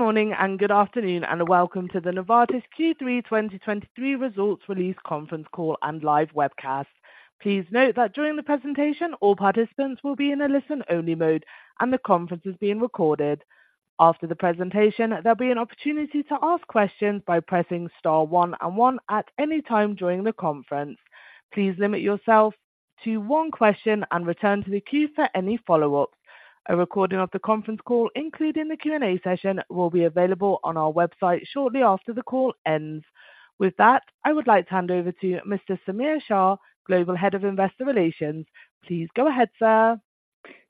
Good morning and good afternoon, and welcome to the Novartis Q3 2023 Results Release Conference Call and live webcast. Please note that during the presentation, all participants will be in a listen-only mode, and the conference is being recorded. After the presentation, there'll be an opportunity to ask questions by pressing star one and one at any time during the conference. Please limit yourself to one question and return to the queue for any follow-ups. A recording of the conference call, including the Q&A session, will be available on our website shortly after the call ends. With that, I would like to hand over to Mr. Samir Shah, Global Head of Investor Relations. Please go ahead, sir.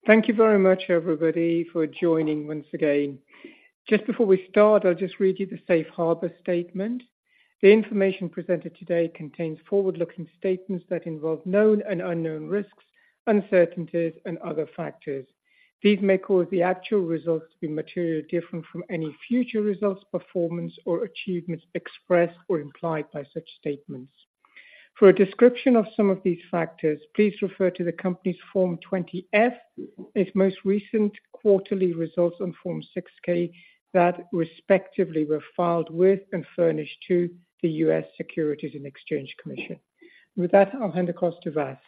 Thank you very much, everybody, for joining once again. Just before we start, I'll just read you the safe harbor statement. The information presented today contains forward-looking statements that involve known and unknown risks, uncertainties, and other factors. These may cause the actual results to be materially different from any future results, performance, or achievements expressed or implied by such statements. For a description of some of these factors, please refer to the company's Form 20-F, its most recent quarterly results on Form 6-K that respectively were filed with and furnished to the U.S. Securities and Exchange Commission. With that, I'll hand across to Vas.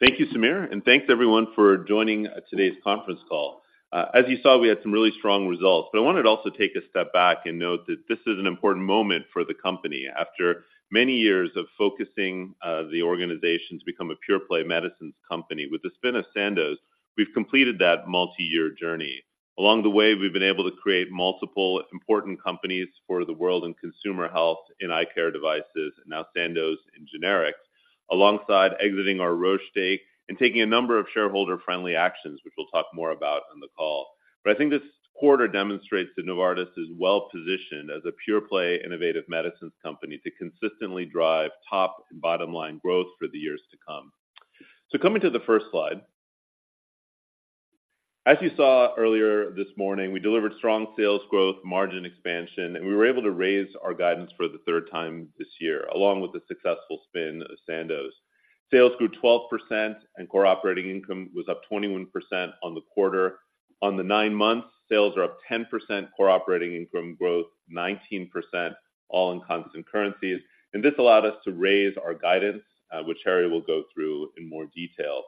Thank you, Samir, and thanks everyone for joining today's conference call. As you saw, we had some really strong results, but I wanted to also take a step back and note that this is an important moment for the company. After many years of focusing the organization to become a pure-play medicines company. With the spin of Sandoz, we've completed that multi-year journey. Along the way, we've been able to create multiple important companies for the world in consumer health and eye care devices, now Sandoz in generics, alongside exiting our Roche stake and taking a number of shareholder-friendly actions, which we'll talk more about on the call. But I think this quarter demonstrates that Novartis is well-positioned as a pure-play innovative medicines company to consistently drive top and bottom line growth for the years to come. So coming to the first slide. As you saw earlier this morning, we delivered strong sales growth, margin expansion, and we were able to raise our guidance for the third time this year, along with the successful spin of Sandoz. Sales grew 12%, and core operating income was up 21% on the quarter. On the nine months, sales are up 10%, core operating income growth 19%, all in constant currencies. This allowed us to raise our guidance, which Harry will go through in more detail.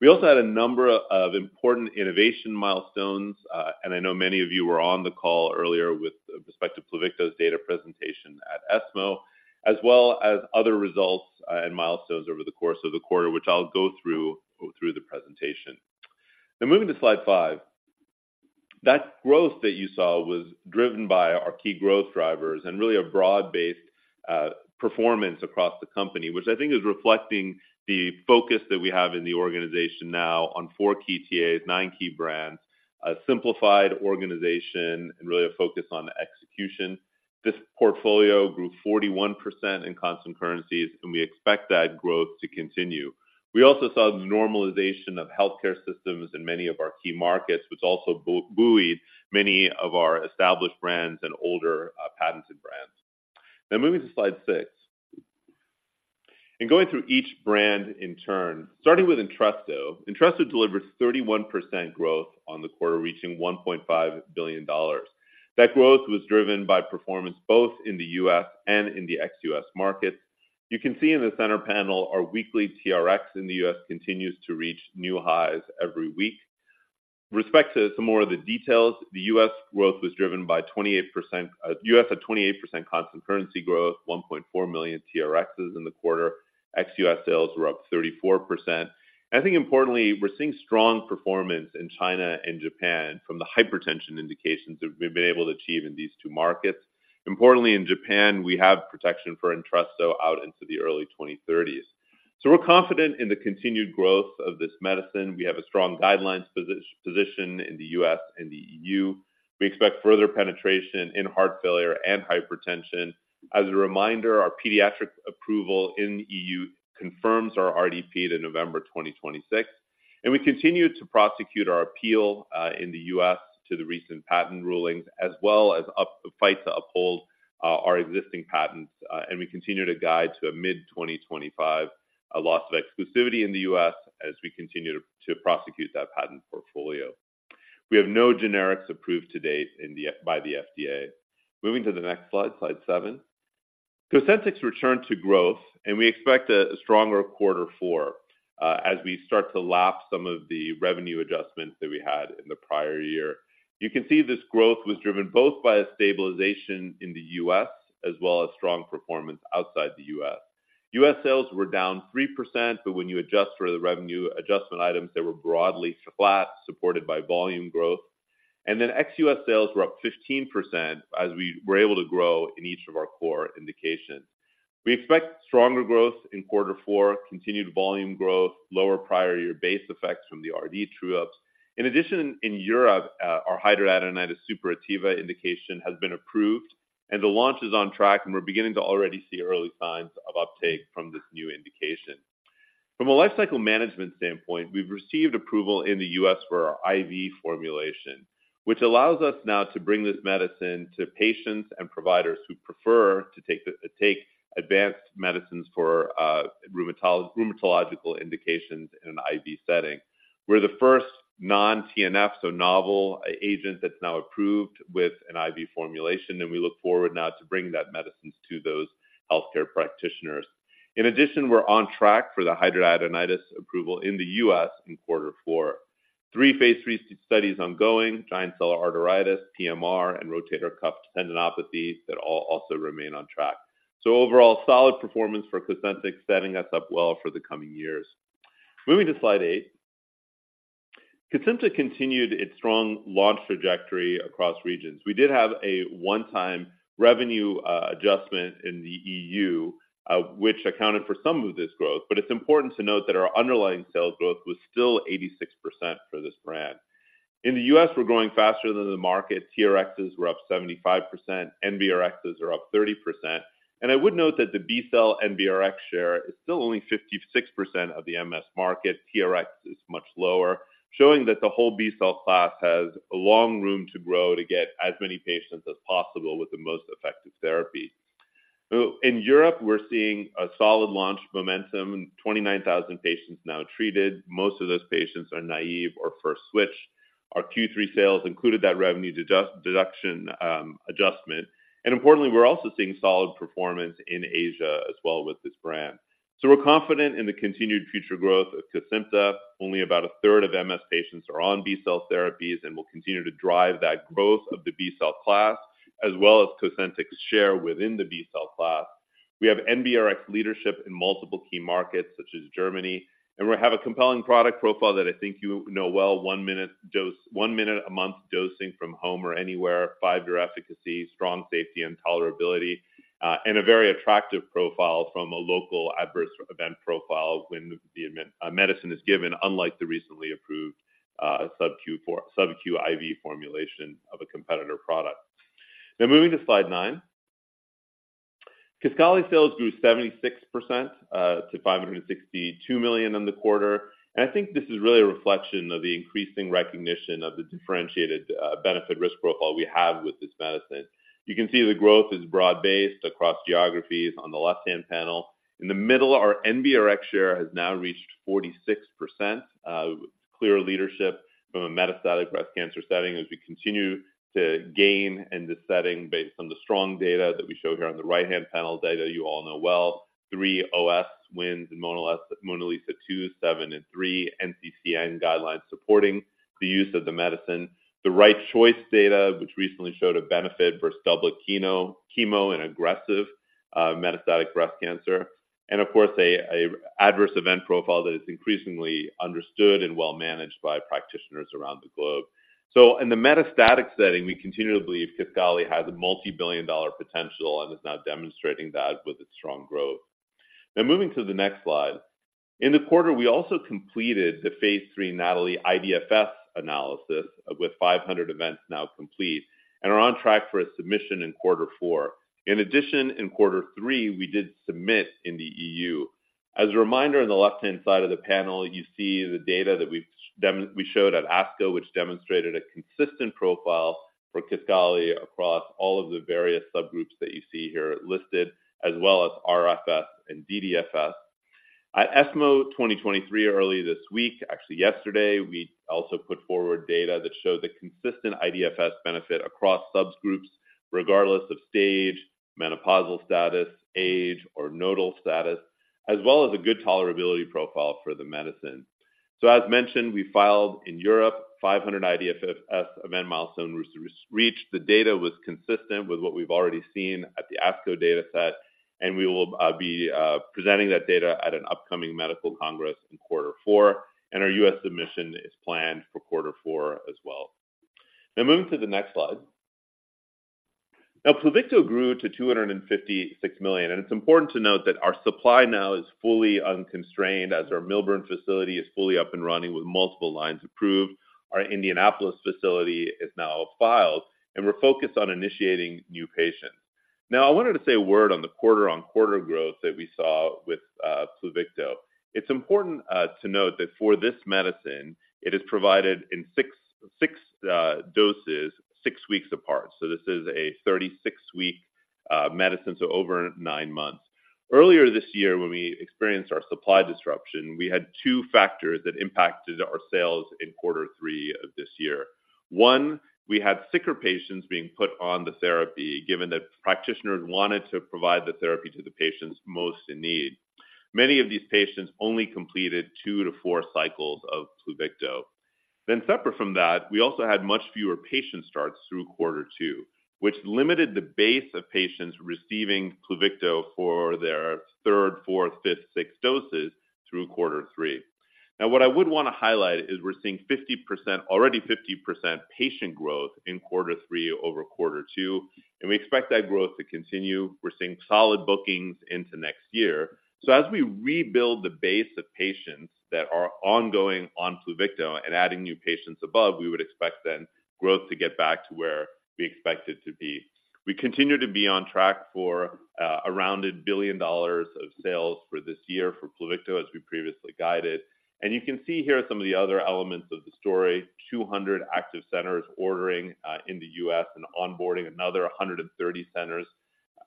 We also had a number of important innovation milestones, and I know many of you were on the call earlier with respect to Pluvicto's data presentation at ESMO, as well as other results and milestones over the course of the quarter, which I'll go through the presentation. Now, moving to slide 5. That growth that you saw was driven by our key growth drivers and really a broad-based, performance across the company, which I think is reflecting the focus that we have in the organization now on four key TAs, nine key brands, a simplified organization, and really a focus on execution. This portfolio grew 41% in constant currencies, and we expect that growth to continue. We also saw the normalization of healthcare systems in many of our key markets, which also buoyed many of our established brands and older, patented brands. Now moving to slide 6. In going through each brand in turn, starting with Entresto. Entresto delivered 31% growth on the quarter, reaching $1.5 billion. That growth was driven by performance both in the U.S. and in the ex-U.S. markets. You can see in the center panel, our weekly TRxs in the US continues to reach new highs every week. With respect to some more of the details, the US growth was driven by 28%... US had 28% constant currency growth, 1.4 million TRxs in the quarter. Ex-US sales were up 34%. I think importantly, we're seeing strong performance in China and Japan from the hypertension indications that we've been able to achieve in these two markets. Importantly, in Japan, we have protection for Entresto out into the early 2030s. So we're confident in the continued growth of this medicine. We have a strong guidelines position in the US and the EU. We expect further penetration in heart failure and hypertension. As a reminder, our pediatric approval in the EU confirms our RDP to November 2026, and we continue to prosecute our appeal in the US to the recent patent rulings, as well as to uphold our existing patents. And we continue to guide to a mid-2025 loss of exclusivity in the US as we continue to prosecute that patent portfolio. We have no generics approved to date in the US by the FDA. Moving to the next slide, slide seven. Kesimpta returned to growth, and we expect a stronger quarter four as we start to lap some of the revenue adjustments that we had in the prior year. You can see this growth was driven both by a stabilization in the US as well as strong performance outside the US. U.S. sales were down 3%, but when you adjust for the revenue adjustment items, they were broadly flat, supported by volume growth. Then ex-U.S. sales were up 15% as we were able to grow in each of our core indications. We expect stronger growth in quarter four, continued volume growth, lower prior year base effects from the R&D true-ups. In addition, in Europe, our hidradenitis suppurativa indication has been approved, and the launch is on track, and we're beginning to already see early signs of uptake from this new indication... From a lifecycle management standpoint, we've received approval in the U.S. for our IV formulation, which allows us now to bring this medicine to patients and providers who prefer to take advanced medicines for, rheumatological indications in an IV setting. We're the first non-TNF, so novel agent that's now approved with an IV formulation, and we look forward now to bringing that medicine to those healthcare practitioners. In addition, we're on track for the hidradenitis approval in the U.S. in quarter four. Three phase III studies ongoing, giant cell arteritis, PMR, and rotator cuff tendinopathy that all also remain on track. So overall, solid performance for Cosentyx, setting us up well for the coming years. Moving to Slide 8. Cosentyx continued its strong launch trajectory across regions. We did have a one-time revenue adjustment in the E.U., which accounted for some of this growth, but it's important to note that our underlying sales growth was still 86% for this brand. In the U.S., we're growing faster than the market. TRXs were up 75%, NBRxs are up 30%, and I would note that the B-cell NBRX share is still only 56% of the MS market. TRx is much lower, showing that the whole B-cell class has a long room to grow to get as many patients as possible with the most effective TheraP. So in Europe, we're seeing a solid launch momentum, 29,000 patients now treated. Most of those patients are naive or first switch. Our Q3 sales included that revenue deduction, adjustment. And importantly, we're also seeing solid performance in Asia as well with this brand. So we're confident in the continued future growth of Kesimpta. Only about a third of MS patients are on B-cell therapies, and we'll continue to drive that growth of the B-cell class, as well as Kesimpta's share within the B-cell class. We have NBRX leadership in multiple key markets, such as Germany, and we have a compelling product profile that I think you know well, one-minute dose – one minute a month dosing from home or anywhere, five-year efficacy, strong safety and tolerability, and a very attractive profile from a local adverse event profile when the administered medicine is given, unlike the recently approved subQ for – subQ IV formulation of a competitor product. Now, moving to Slide 9. Kisqali sales grew 76% to $562 million in the quarter, and I think this is really a reflection of the increasing recognition of the differentiated benefit risk profile we have with this medicine. You can see the growth is broad-based across geographies on the left-hand panel. In the middle, our NBRX share has now reached 46%, clear leadership from a metastatic breast cancer setting as we continue to gain in this setting based on the strong data that we show here on the right-hand panel, data you all know well, three OS wins in MONALEESA-2, 7 and 3 NCCN guidelines supporting the use of the medicine. The RIGHT Choice data, which recently showed a benefit versus doublet chemo in aggressive, metastatic breast cancer, and of course, a, a adverse event profile that is increasingly understood and well managed by practitioners around the globe. So in the metastatic setting, we continue to believe Kisqali has a multibillion-dollar potential and is now demonstrating that with its strong growth. Now, moving to the next slide. In the quarter, we also completed the Phase III NATALEE iDFS analysis, with 500 events now complete, and are on track for a submission in quarter four. In addition, in quarter three, we did submit in the EU. As a reminder, on the left-hand side of the panel, you see the data that we've demonstrated we showed at ASCO, which demonstrated a consistent profile for Kisqali across all of the various subgroups that you see here listed, as well as RFS and dDFS. At ESMO 2023, early this week, actually yesterday, we also put forward data that showed a consistent iDFS benefit across subgroups, regardless of stage, menopausal status, age, or nodal status, as well as a good tolerability profile for the medicine. So as mentioned, we filed in Europe, 500 iDFS event milestone reached. The data was consistent with what we've already seen at the ASCO data set, and we will be presenting that data at an upcoming medical congress in quarter four, and our U.S. submission is planned for quarter four as well. Now, moving to the next slide. Now, Pluvicto grew to 256 million, and it's important to note that our supply now is fully unconstrained as our Millburn facility is fully up and running with multiple lines approved. Our Indianapolis facility is now filed, and we're focused on initiating new patients. Now, I wanted to say a word on the quarter-on-quarter growth that we saw with Pluvicto. It's important to note that for this medicine, it is provided in 6, 6 doses, 6 weeks apart. So this is a 36-week medicine, so over 9 months. Earlier this year, when we experienced our supply disruption, we had two factors that impacted our sales in quarter three of this year. One, we had sicker patients being put on the therapy, given that practitioners wanted to provide the therapy to the patients most in need. Many of these patients only completed 2-4 cycles of Pluvicto. Then separate from that, we also had much fewer patient starts through quarter two, which limited the base of patients receiving Pluvicto for their third, fourth, fifth, sixth doses through quarter three. Now, what I would want to highlight is we're seeing 50%, already 50% patient growth in quarter three over quarter two, and we expect that growth to continue. We're seeing solid bookings into next year. So as we rebuild the base of patients that are ongoing on Pluvicto and adding new patients above, we would expect then growth to get back to where we expect it to be. We continue to be on track for a rounded $1 billion of sales for this year for Pluvicto, as we previously guided. And you can see here some of the other elements of the story, 200 active centers ordering in the U.S. and onboarding another 130 centers....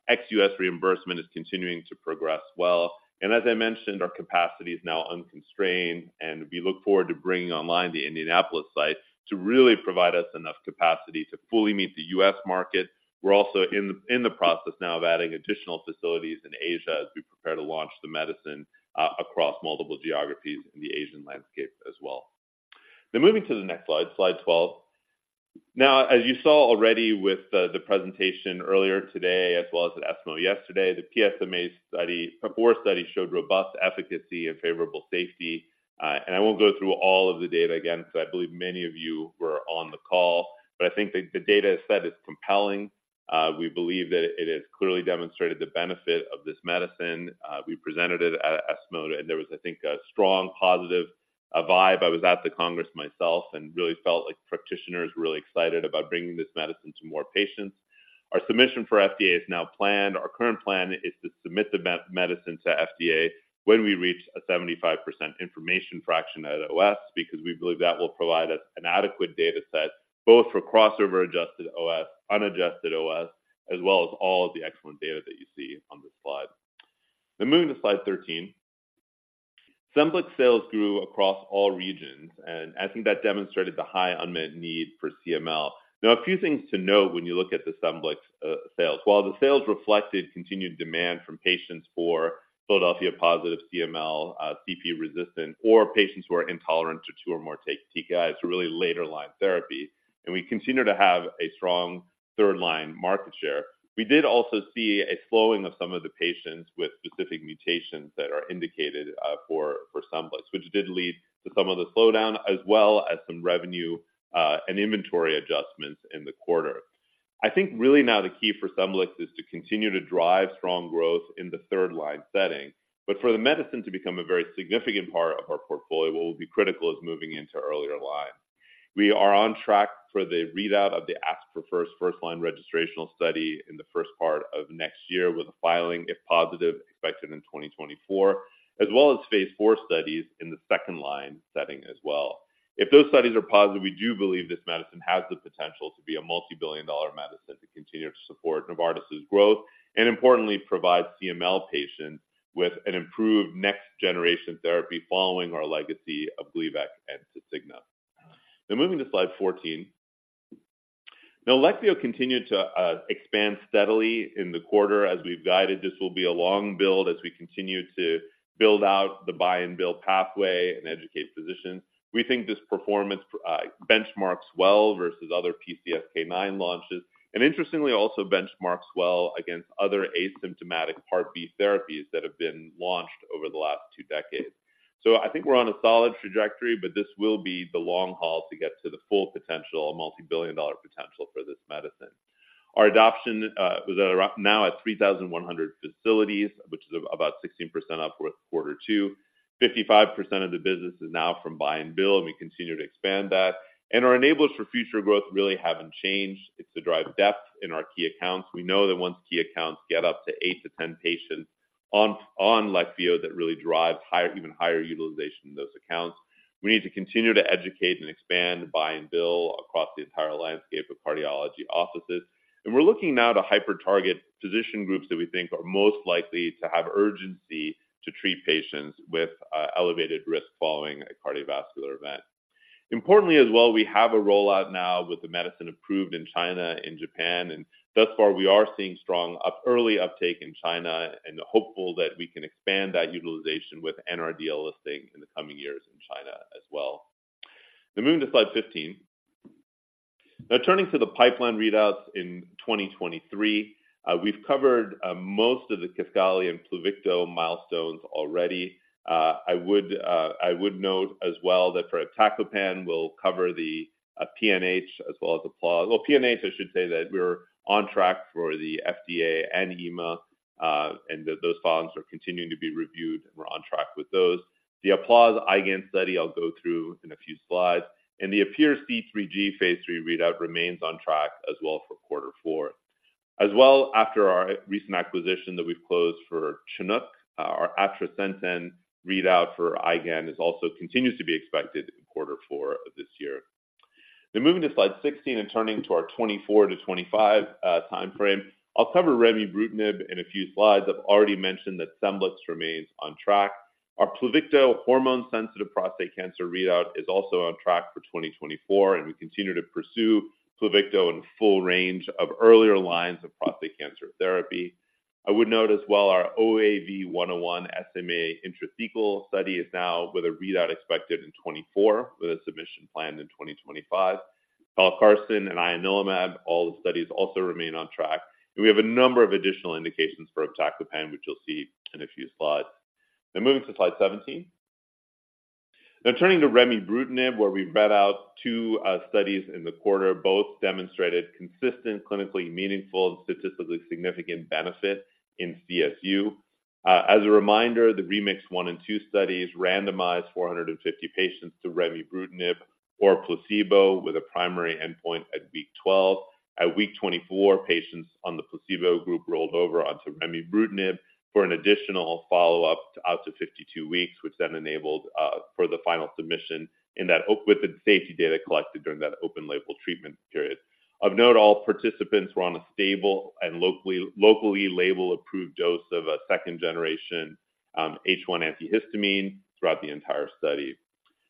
Ex-U.S. reimbursement is continuing to progress well, and as I mentioned, our capacity is now unconstrained, and we look forward to bringing online the Indianapolis site to really provide us enough capacity to fully meet the U.S. market. We're also in the process now of adding additional facilities in Asia as we prepare to launch the medicine across multiple geographies in the Asian landscape as well. Then moving to the next slide, slide 12. Now, as you saw already with the presentation earlier today, as well as at ESMO yesterday, the PSMA-4 study showed robust efficacy and favorable safety. And I won't go through all of the data again, so I believe many of you were on the call, but I think the data set is compelling. We believe that it has clearly demonstrated the benefit of this medicine. We presented it at ESMO, and there was, I think, a strong positive vibe. I was at the Congress myself and really felt like practitioners were really excited about bringing this medicine to more patients. Our submission for FDA is now planned. Our current plan is to submit the medicine to FDA when we reach a 75% information fraction at OS, because we believe that will provide us an adequate data set, both for crossover-adjusted OS, unadjusted OS, as well as all of the excellent data that you see on this slide. Then moving to slide 13. Scemblix sales grew across all regions, and I think that demonstrated the high unmet need for CML. Now, a few things to note when you look at the Scemblix sales. While the sales reflected continued demand from patients for Philadelphia positive CML, CP resistant, or patients who are intolerant to two or more TKI, it's a really later line therapy, and we continue to have a strong third-line market share. We did also see a slowing of some of the patients with specific mutations that are indicated, for, for Scemblix, which did lead to some of the slowdown, as well as some revenue, and inventory adjustments in the quarter. I think really now the key for Scemblix is to continue to drive strong growth in the third-line setting, but for the medicine to become a very significant part of our portfolio, what will be critical is moving into earlier line. We are on track for the readout of the ASC4FIRST first-line registrational study in the first part of next year, with a filing, if positive, expected in 2024, as well as phase 4 studies in the second-line setting as well. If those studies are positive, we do believe this medicine has the potential to be a multi-billion dollar medicine to continue to support Novartis's growth, and importantly, provide CML patients with an improved next-generation therapy following our legacy of Gleevec and Tasigna. Now moving to slide 14. Now, Leqvio continued to expand steadily in the quarter. As we've guided, this will be a long build as we continue to build out the buy and build pathway and educate physicians. We think this performance benchmarks well versus other PCSK9 launches, and interestingly, also benchmarks well against other asymptomatic part B therapies that have been launched over the last two decades. So I think we're on a solid trajectory, but this will be the long haul to get to the full potential, a multi-billion dollar potential for this medicine. Our adoption is around now at 3,100 facilities, which is about 16% up with quarter two. 55% of the business is now from buy and build, and we continue to expand that. Our enablers for future growth really haven't changed. It's to drive depth in our key accounts. We know that once key accounts get up to 8-10 patients on, on Leqvio, that really drives higher, even higher utilization in those accounts. We need to continue to educate and expand, buy and build across the entire landscape of cardiology offices. We're looking now to hyper-target physician groups that we think are most likely to have urgency to treat patients with elevated risk following a cardiovascular event. Importantly as well, we have a rollout now with the medicine approved in China and Japan, and thus far, we are seeing strong early uptake in China and are hopeful that we can expand that utilization with an RD listing in the coming years in China as well. Now, moving to slide 15. Now, turning to the pipeline readouts in 2023, we've covered most of the Kisqali and Pluvicto milestones already. I would note as well that for Iptacopan, we'll cover the PNH as well as C3G. Well, PNH, I should say that we're on track for the FDA and EMA, and that those filings are continuing to be reviewed, and we're on track with those. The ALIGN IgAN study I'll go through in a few slides, and the ALIGN C3G phase 3 readout remains on track as well for quarter four. As well, after our recent acquisition that we've closed for Chinook, our Atrasentan readout for IgAN is also continues to be expected in quarter four of this year. Now moving to slide 16 and turning to our 2024-2025 timeframe. I'll cover Remibrutinib in a few slides. I've already mentioned that Scemblix remains on track. Our Pluvicto hormone-sensitive prostate cancer readout is also on track for 2024, and we continue to pursue Pluvicto in full range of earlier lines of prostate cancer therapy. I would note as well our OAV101 SMA intrathecal study is now with a readout expected in 2024, with a submission planned in 2025. Fabhalta and Ianalumab, all the studies also remain on track. We have a number of additional indications for Iptacopan, which you'll see in a few slides. Now moving to slide 17. Now turning to Remibrutinib, where we read out 2 studies in the quarter, both demonstrated consistent, clinically meaningful, and statistically significant benefit in CSU. As a reminder, the REMIX-1 and REMIX-2 studies randomized 450 patients to Remibrutinib or placebo, with a primary endpoint at week 12. At week 24, patients on the placebo group rolled over onto Remibrutinib for an additional follow-up to up to 52 weeks, which then enabled for the final submission in that with the safety data collected during that open label treatment period. Of note, all participants were on a stable and locally label-approved dose of a second-generation H1 antihistamine throughout the entire study.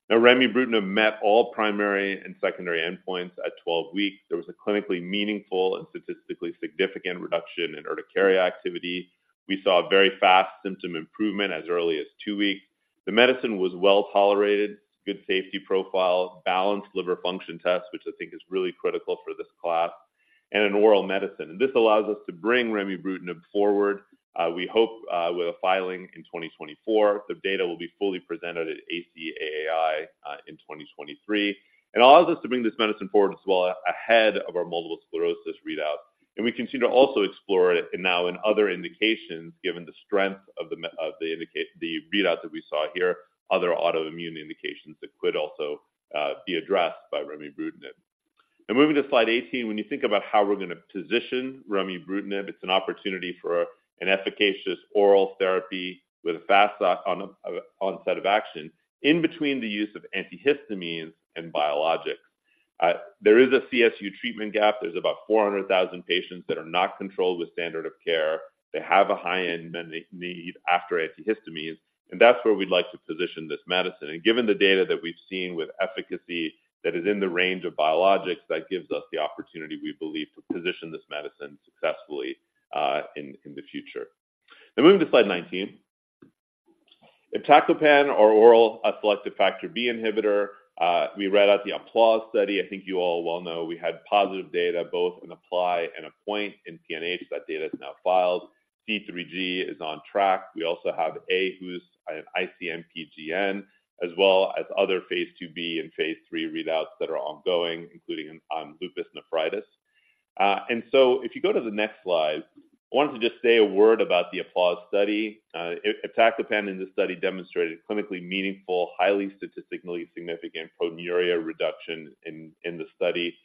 Now, remibrutinib met all primary and secondary endpoints at 12 weeks. There was a clinically meaningful and statistically significant reduction in urticaria activity. We saw a very fast symptom improvement as early as 2 weeks. The medicine was well-tolerated, good safety profile, balanced liver function tests, which I think is really critical for this class, and an oral medicine. And this allows us to bring remibrutinib forward, we hope, with a filing in 2024. The data will be fully presented at ACAAI in 2023. And allows us to bring this medicine forward as well ahead of our multiple sclerosis readout. And we continue to also explore it now in other indications, given the strength of the readouts that we saw here, other autoimmune indications that could also be addressed by remibrutinib. Moving to slide 18, when you think about how we're going to position Remibrutinib, it's an opportunity for an efficacious oral therapy with a fast on onset of action in between the use of antihistamines and biologics. There is a CSU treatment gap. There's about 400,000 patients that are not controlled with standard of care. They have a high unmet need after antihistamines, and that's where we'd like to position this medicine. Given the data that we've seen with efficacy that is in the range of biologics, that gives us the opportunity, we believe, to position this medicine successfully in the future. Now moving to slide 19. Iptacopan or oral selective factor B inhibitor. We read out the APPLAUSE study. I think you all well know we had positive data both in APPLY and APPOINT in PNH. That data is now filed. C3G is on track. We also have aHUS and IC-MPGN, as well as other phase IIb and phase III readouts that are ongoing, including lupus nephritis. And so if you go to the next slide, I wanted to just say a word about the APPLAUSE study. Iptacopan in this study demonstrated clinically meaningful, highly statistically significant proteinuria reduction in the study.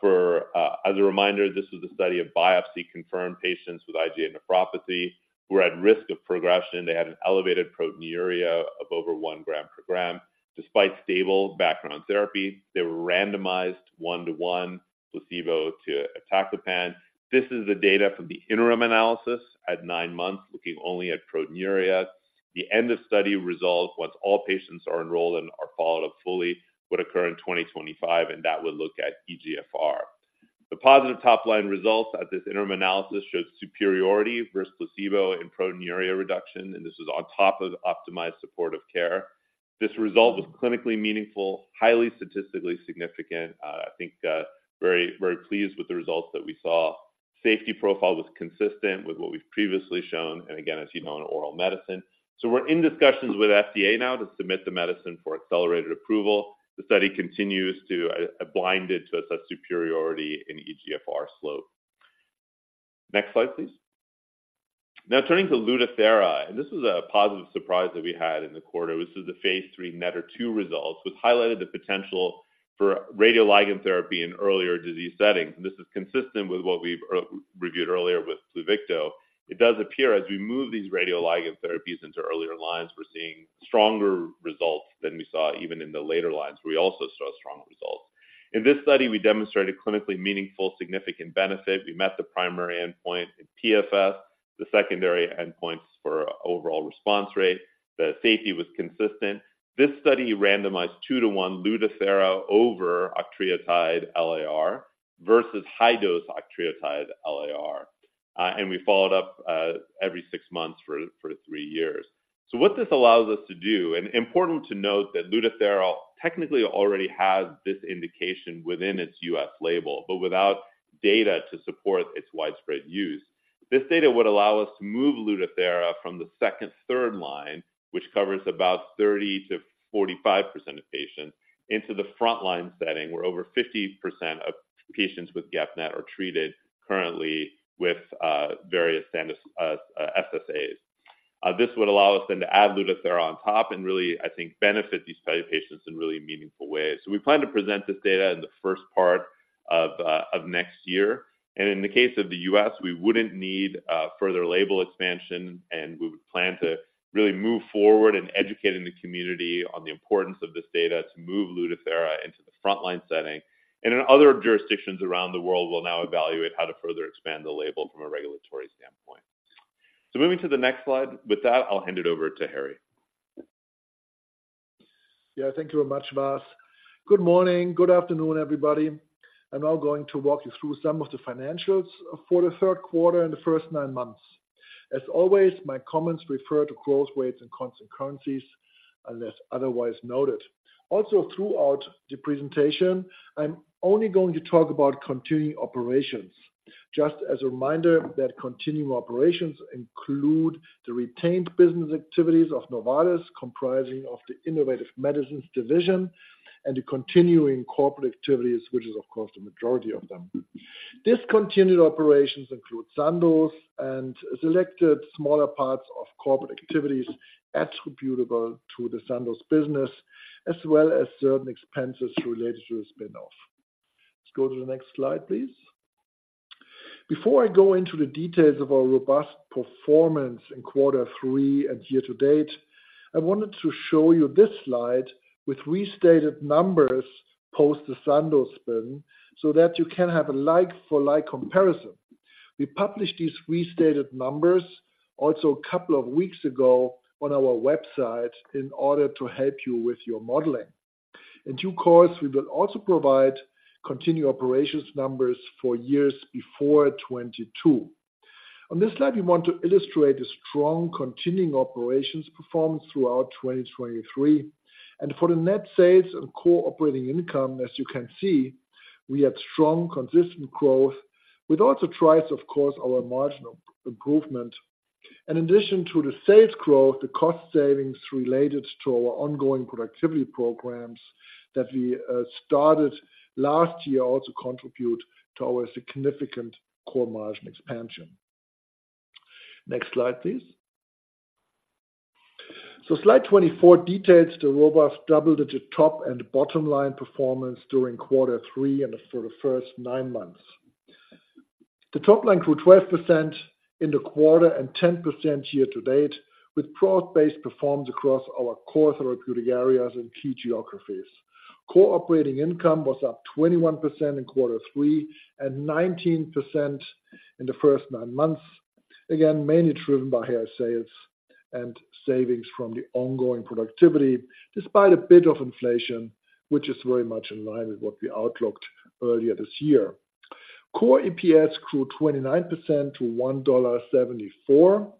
For, as a reminder, this is a study of biopsy-confirmed patients with IgA nephropathy who are at risk of progression. They had an elevated proteinuria of over one gram per gram. Despite stable background therapy, they were randomized 1 to 1, placebo to iptacopan. This is the data from the interim analysis at 9 months, looking only at proteinuria. The end of study results, once all patients are enrolled and are followed up fully, would occur in 2025, and that would look at eGFR. The positive top-line results at this interim analysis showed superiority versus placebo in proteinuria reduction, and this is on top of optimized supportive care. This result was clinically meaningful, highly statistically significant. I think, very, very pleased with the results that we saw. Safety profile was consistent with what we've previously shown, and again, as you know, an oral medicine. So we're in discussions with FDA now to submit the medicine for accelerated approval. The study continues to, blinded to assess superiority in eGFR slope. Next slide, please. Now turning to Lutathera, and this is a positive surprise that we had in the quarter. This is the phase III NETTER-2 results, which highlighted the potential for radioligand therapy in earlier disease settings. This is consistent with what we've reviewed earlier with Pluvicto. It does appear as we move these radioligand therapies into earlier lines, we're seeing stronger results than we saw even in the later lines. We also saw strong results. In this study, we demonstrated clinically meaningful significant benefit. We met the primary endpoint in PFS, the secondary endpoints for overall response rate. The safety was consistent. This study randomized 2-to-1 Lutathera over octreotide LAR versus high-dose octreotide LAR. We followed up every six months for three years. What this allows us to do, and important to note that Lutathera technically already has this indication within its U.S. label, but without data to support its widespread use. This data would allow us to move Lutathera from the second, third line, which covers about 30%-45% of patients, into the frontline setting, where over 50% of patients with GEP-NET are treated currently with various standard SSAs. This would allow us then to add Lutathera on top and really, I think, benefit these study patients in really meaningful ways. So we plan to present this data in the first part of next year. And in the case of the U.S., we wouldn't need further label expansion, and we would plan to really move forward in educating the community on the importance of this data to move Lutathera into the frontline setting. And in other jurisdictions around the world, we'll now evaluate how to further expand the label from a regulatory standpoint. So moving to the next slide. With that, I'll hand it over to Harry. Yeah, thank you very much, Vas. Good morning. Good afternoon, everybody. I'm now going to walk you through some of the financials for the third quarter and the first nine months. As always, my comments refer to growth rates and constant currencies, unless otherwise noted. Also, throughout the presentation, I'm only going to talk about continuing operations. Just as a reminder, that continuing operations include the retained business activities of Novartis, comprising of the Innovative Medicines division and the continuing corporate activities, which is, of course, the majority of them. Discontinued operations include Sandoz and selected smaller parts of corporate activities attributable to the Sandoz business, as well as certain expenses related to the spin-off. Let's go to the next slide, please. Before I go into the details of our robust performance in quarter three and year to date, I wanted to show you this slide with restated numbers, post the Sandoz spin, so that you can have a like-for-like comparison. We published these restated numbers also a couple of weeks ago on our website in order to help you with your modeling. In due course, we will also provide continued operations numbers for years before 2022. On this slide, we want to illustrate the strong continuing operations performance throughout 2023. And for the net sales and core operating income, as you can see, we had strong, consistent growth, which also drives, of course, our marginal improvement. In addition to the sales growth, the cost savings related to our ongoing productivity programs that we started last year also contribute to our significant core margin expansion. Next slide, please. So slide 24 details the robust double-digit top and bottom line performance during quarter three and for the first nine months. The top line grew 12% in the quarter and 10% year to date, with cross-based performance across our core therapeutic areas and key geographies. Core operating income was up 21% in quarter three and 19% in the first nine months. Again, mainly driven by higher sales and savings from the ongoing productivity, despite a bit of inflation, which is very much in line with what we outlooked earlier this year. Core EPS grew 29% to $1.74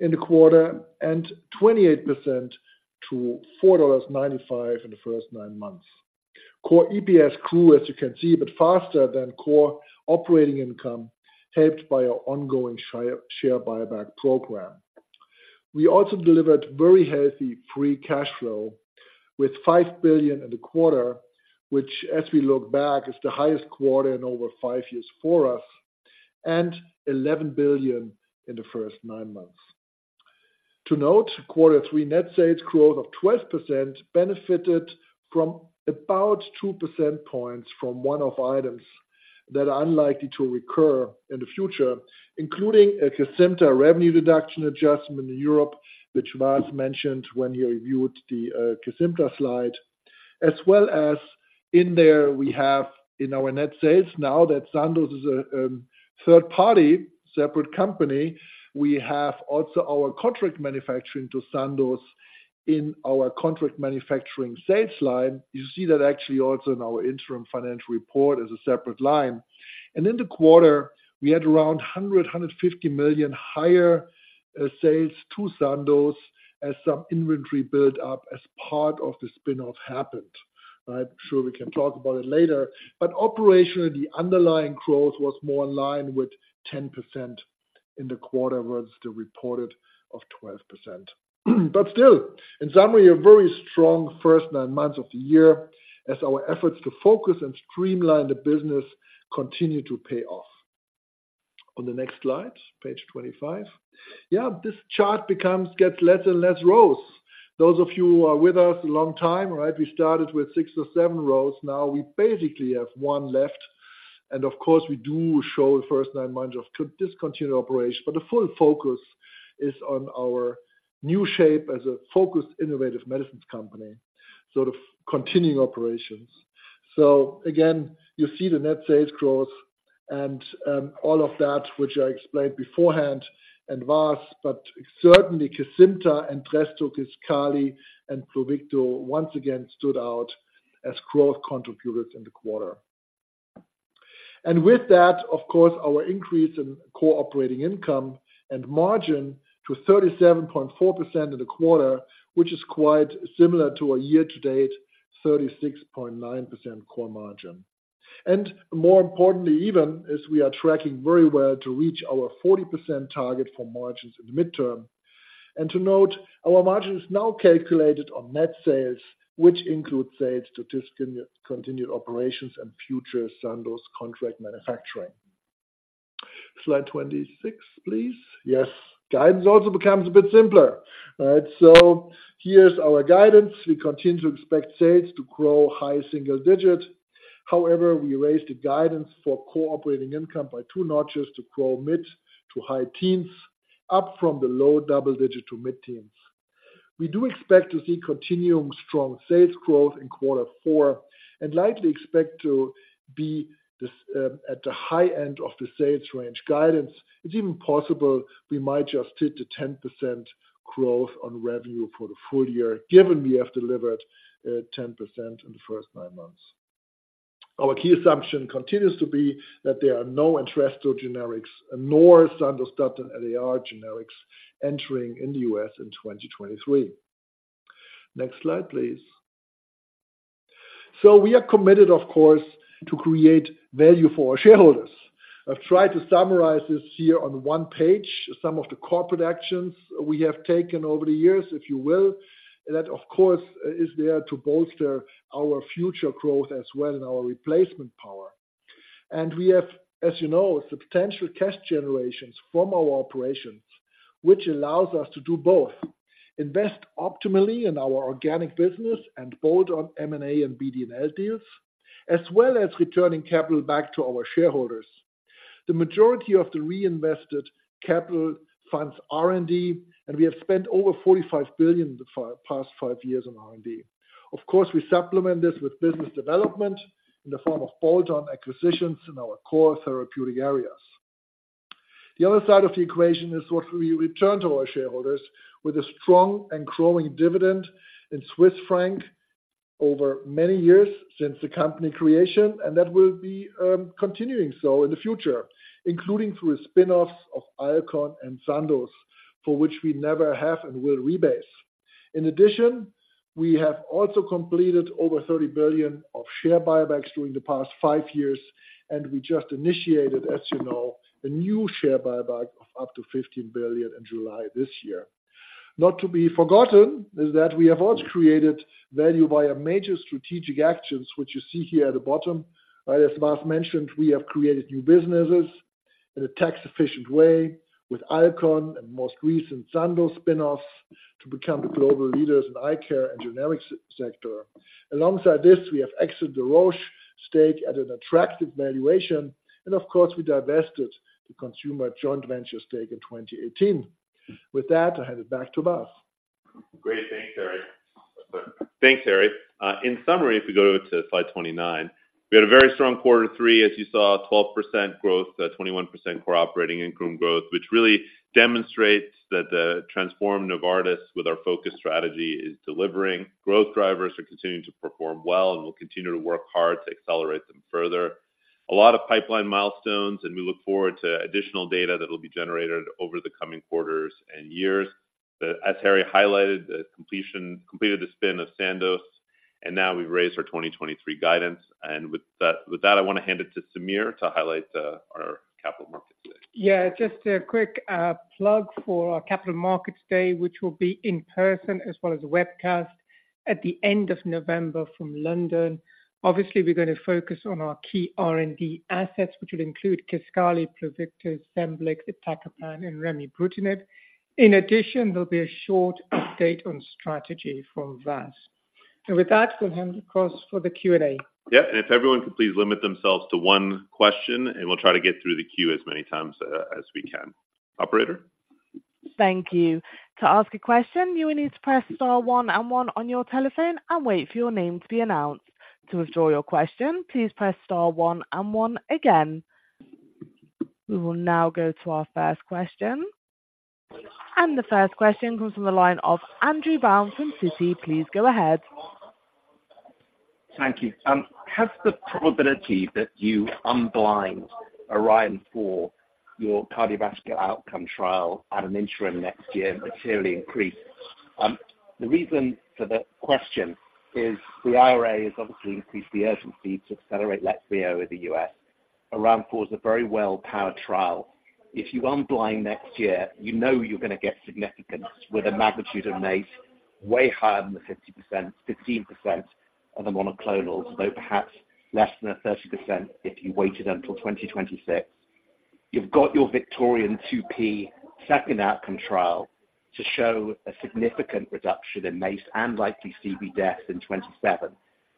in the quarter, and 28% to $4.95 in the first nine months. Core EPS grew, as you can see, a bit faster than core operating income, helped by our ongoing share buyback program. We also delivered very healthy free cash flow with 5 billion in the quarter, which, as we look back, is the highest quarter in over five years for us and 11 billion in the first nine months. To note, quarter three net sales growth of 12% benefited from about 2 percentage points from one-off items that are unlikely to recur in the future, including a Cosentyx revenue deduction adjustment in Europe, which Vas mentioned when he reviewed the, Cosentyx slide. As well as in there we have in our net sales now that Sandoz is a, third party, separate company, we have also our contract manufacturing to Sandoz in our contract manufacturing sales line. You see that actually also in our interim financial report as a separate line. In the quarter, we had around $150 million higher sales to Sandoz as some inventory build up as part of the spin-off happened, right? Sure, we can talk about it later. Operationally, the underlying growth was more in line with 10% in the quarter versus the reported of 12%. Still, in summary, a very strong first nine months of the year as our efforts to focus and streamline the business continue to pay off. On the next slide, page 25. Yeah, this chart becomes, gets less and less rows. Those of you who are with us a long time, right, we started with six or seven rows, now we basically have one left. Of course, we do show the first nine months of discontinued operation, but the full focus is on our new shape as a focused, innovative medicines company, sort of continuing operations. So again, you see the net sales growth and all of that, which I explained beforehand and Vas, but certainly Cosentyx and Entresto, Kisqali and Pluvicto once again stood out as growth contributors in the quarter. And with that, of course, our increase in core operating income and margin to 37.4% in the quarter, which is quite similar to our year-to-date 36.9% core margin. And more importantly, even as we are tracking very well to reach our 40% target for margins in the midterm. And to note, our margin is now calculated on net sales, which includes sales to discontinued operations and future Sandoz contract manufacturing. Slide 26, please. Yes, guidance also becomes a bit simpler, right? So here's our guidance. We continue to expect sales to grow high single-digit. However, we raised the guidance for core operating income by 2 notches to grow mid- to high-teens, up from the low double-digit to mid-teens. We do expect to see continuing strong sales growth in quarter four and likely expect to be this, at the high end of the sales range guidance. It's even possible we might just hit the 10% growth on revenue for the full year, given we have delivered, 10% in the first nine months. Our key assumption continues to be that there are no Entresto generics nor Sandostatin LAR generics entering in the U.S. in 2023. Next slide, please. So we are committed, of course, to create value for our shareholders. I've tried to summarize this here on one page, some of the corporate actions we have taken over the years, if you will. That, of course, is there to bolster our future growth as well and our replacement power. And we have, as you know, substantial cash generations from our operations... which allows us to do both, invest optimally in our organic business and bolt on M&A and BD&L deals, as well as returning capital back to our shareholders. The majority of the reinvested capital funds R&D, and we have spent over 45 billion in the past five years on R&D. Of course, we supplement this with business development in the form of bolt-on acquisitions in our core therapeutic areas. The other side of the equation is what we return to our shareholders with a strong and growing dividend in Swiss franc over many years since the company creation, and that will be, continuing so in the future, including through a spin-offs of Alcon and Sandoz, for which we never have and will rebase. In addition, we have also completed over 30 billion of share buybacks during the past 5 years, and we just initiated, as you know, a new share buyback of up to 15 billion in July this year. Not to be forgotten is that we have also created value via major strategic actions, which you see here at the bottom. As Vas mentioned, we have created new businesses in a tax-efficient way with Alcon and most recent Sandoz spin-offs to become the global leaders in eye care and generics sector. Alongside this, we have exited the Roche stake at an attractive valuation, and of course, we divested the consumer joint venture stake in 2018. With that, I hand it back to Vas. Great. Thanks, Harry. Thanks, Harry. In summary, if we go to slide 29, we had a very strong quarter three, as you saw, 12% growth, 21% core operating income growth, which really demonstrates that the transformed Novartis with our focus strategy is delivering. Growth drivers are continuing to perform well, and we'll continue to work hard to accelerate them further. A lot of pipeline milestones, and we look forward to additional data that will be generated over the coming quarters and years. But as Harry highlighted, completed the spin of Sandoz, and now we've raised our 2023 guidance. And with that, with that, I want to hand it to Samir to highlight our capital markets today. Yeah, just a quick plug for our Capital Markets Day, which will be in person as well as a webcast at the end of November from London. Obviously, we're going to focus on our key R&D assets, which will include Kisqali, Pluvicto, Scemblix, Iptacopan and Remibrutinib. In addition, there'll be a short update on strategy from Vas. And with that, we'll hand across for the Q&A. Yeah, and if everyone could please limit themselves to one question, and we'll try to get through the queue as many times as we can. Operator? Thank you. To ask a question, you will need to press star one and one on your telephone and wait for your name to be announced. To withdraw your question, please press star one and one again. We will now go to our first question. The first question comes from the line of Andrew Baum from Citi. Please go ahead. Thank you. Has the probability that you unblind ORION-4, your cardiovascular outcome trial at an interim next year materially increased? The reason for the question is the IRA has obviously increased the urgency to accelerate Leqvio in the U.S. ORION-4 is a very well-powered trial. If you unblind next year, you know you're going to get significance with a magnitude of MACE way higher than the 50%, 15% of the monoclonals, though perhaps less than a 30% if you waited until 2026. You've got your VICTORION-2P second outcome trial to show a significant reduction in MACE and likely CV deaths in 2027.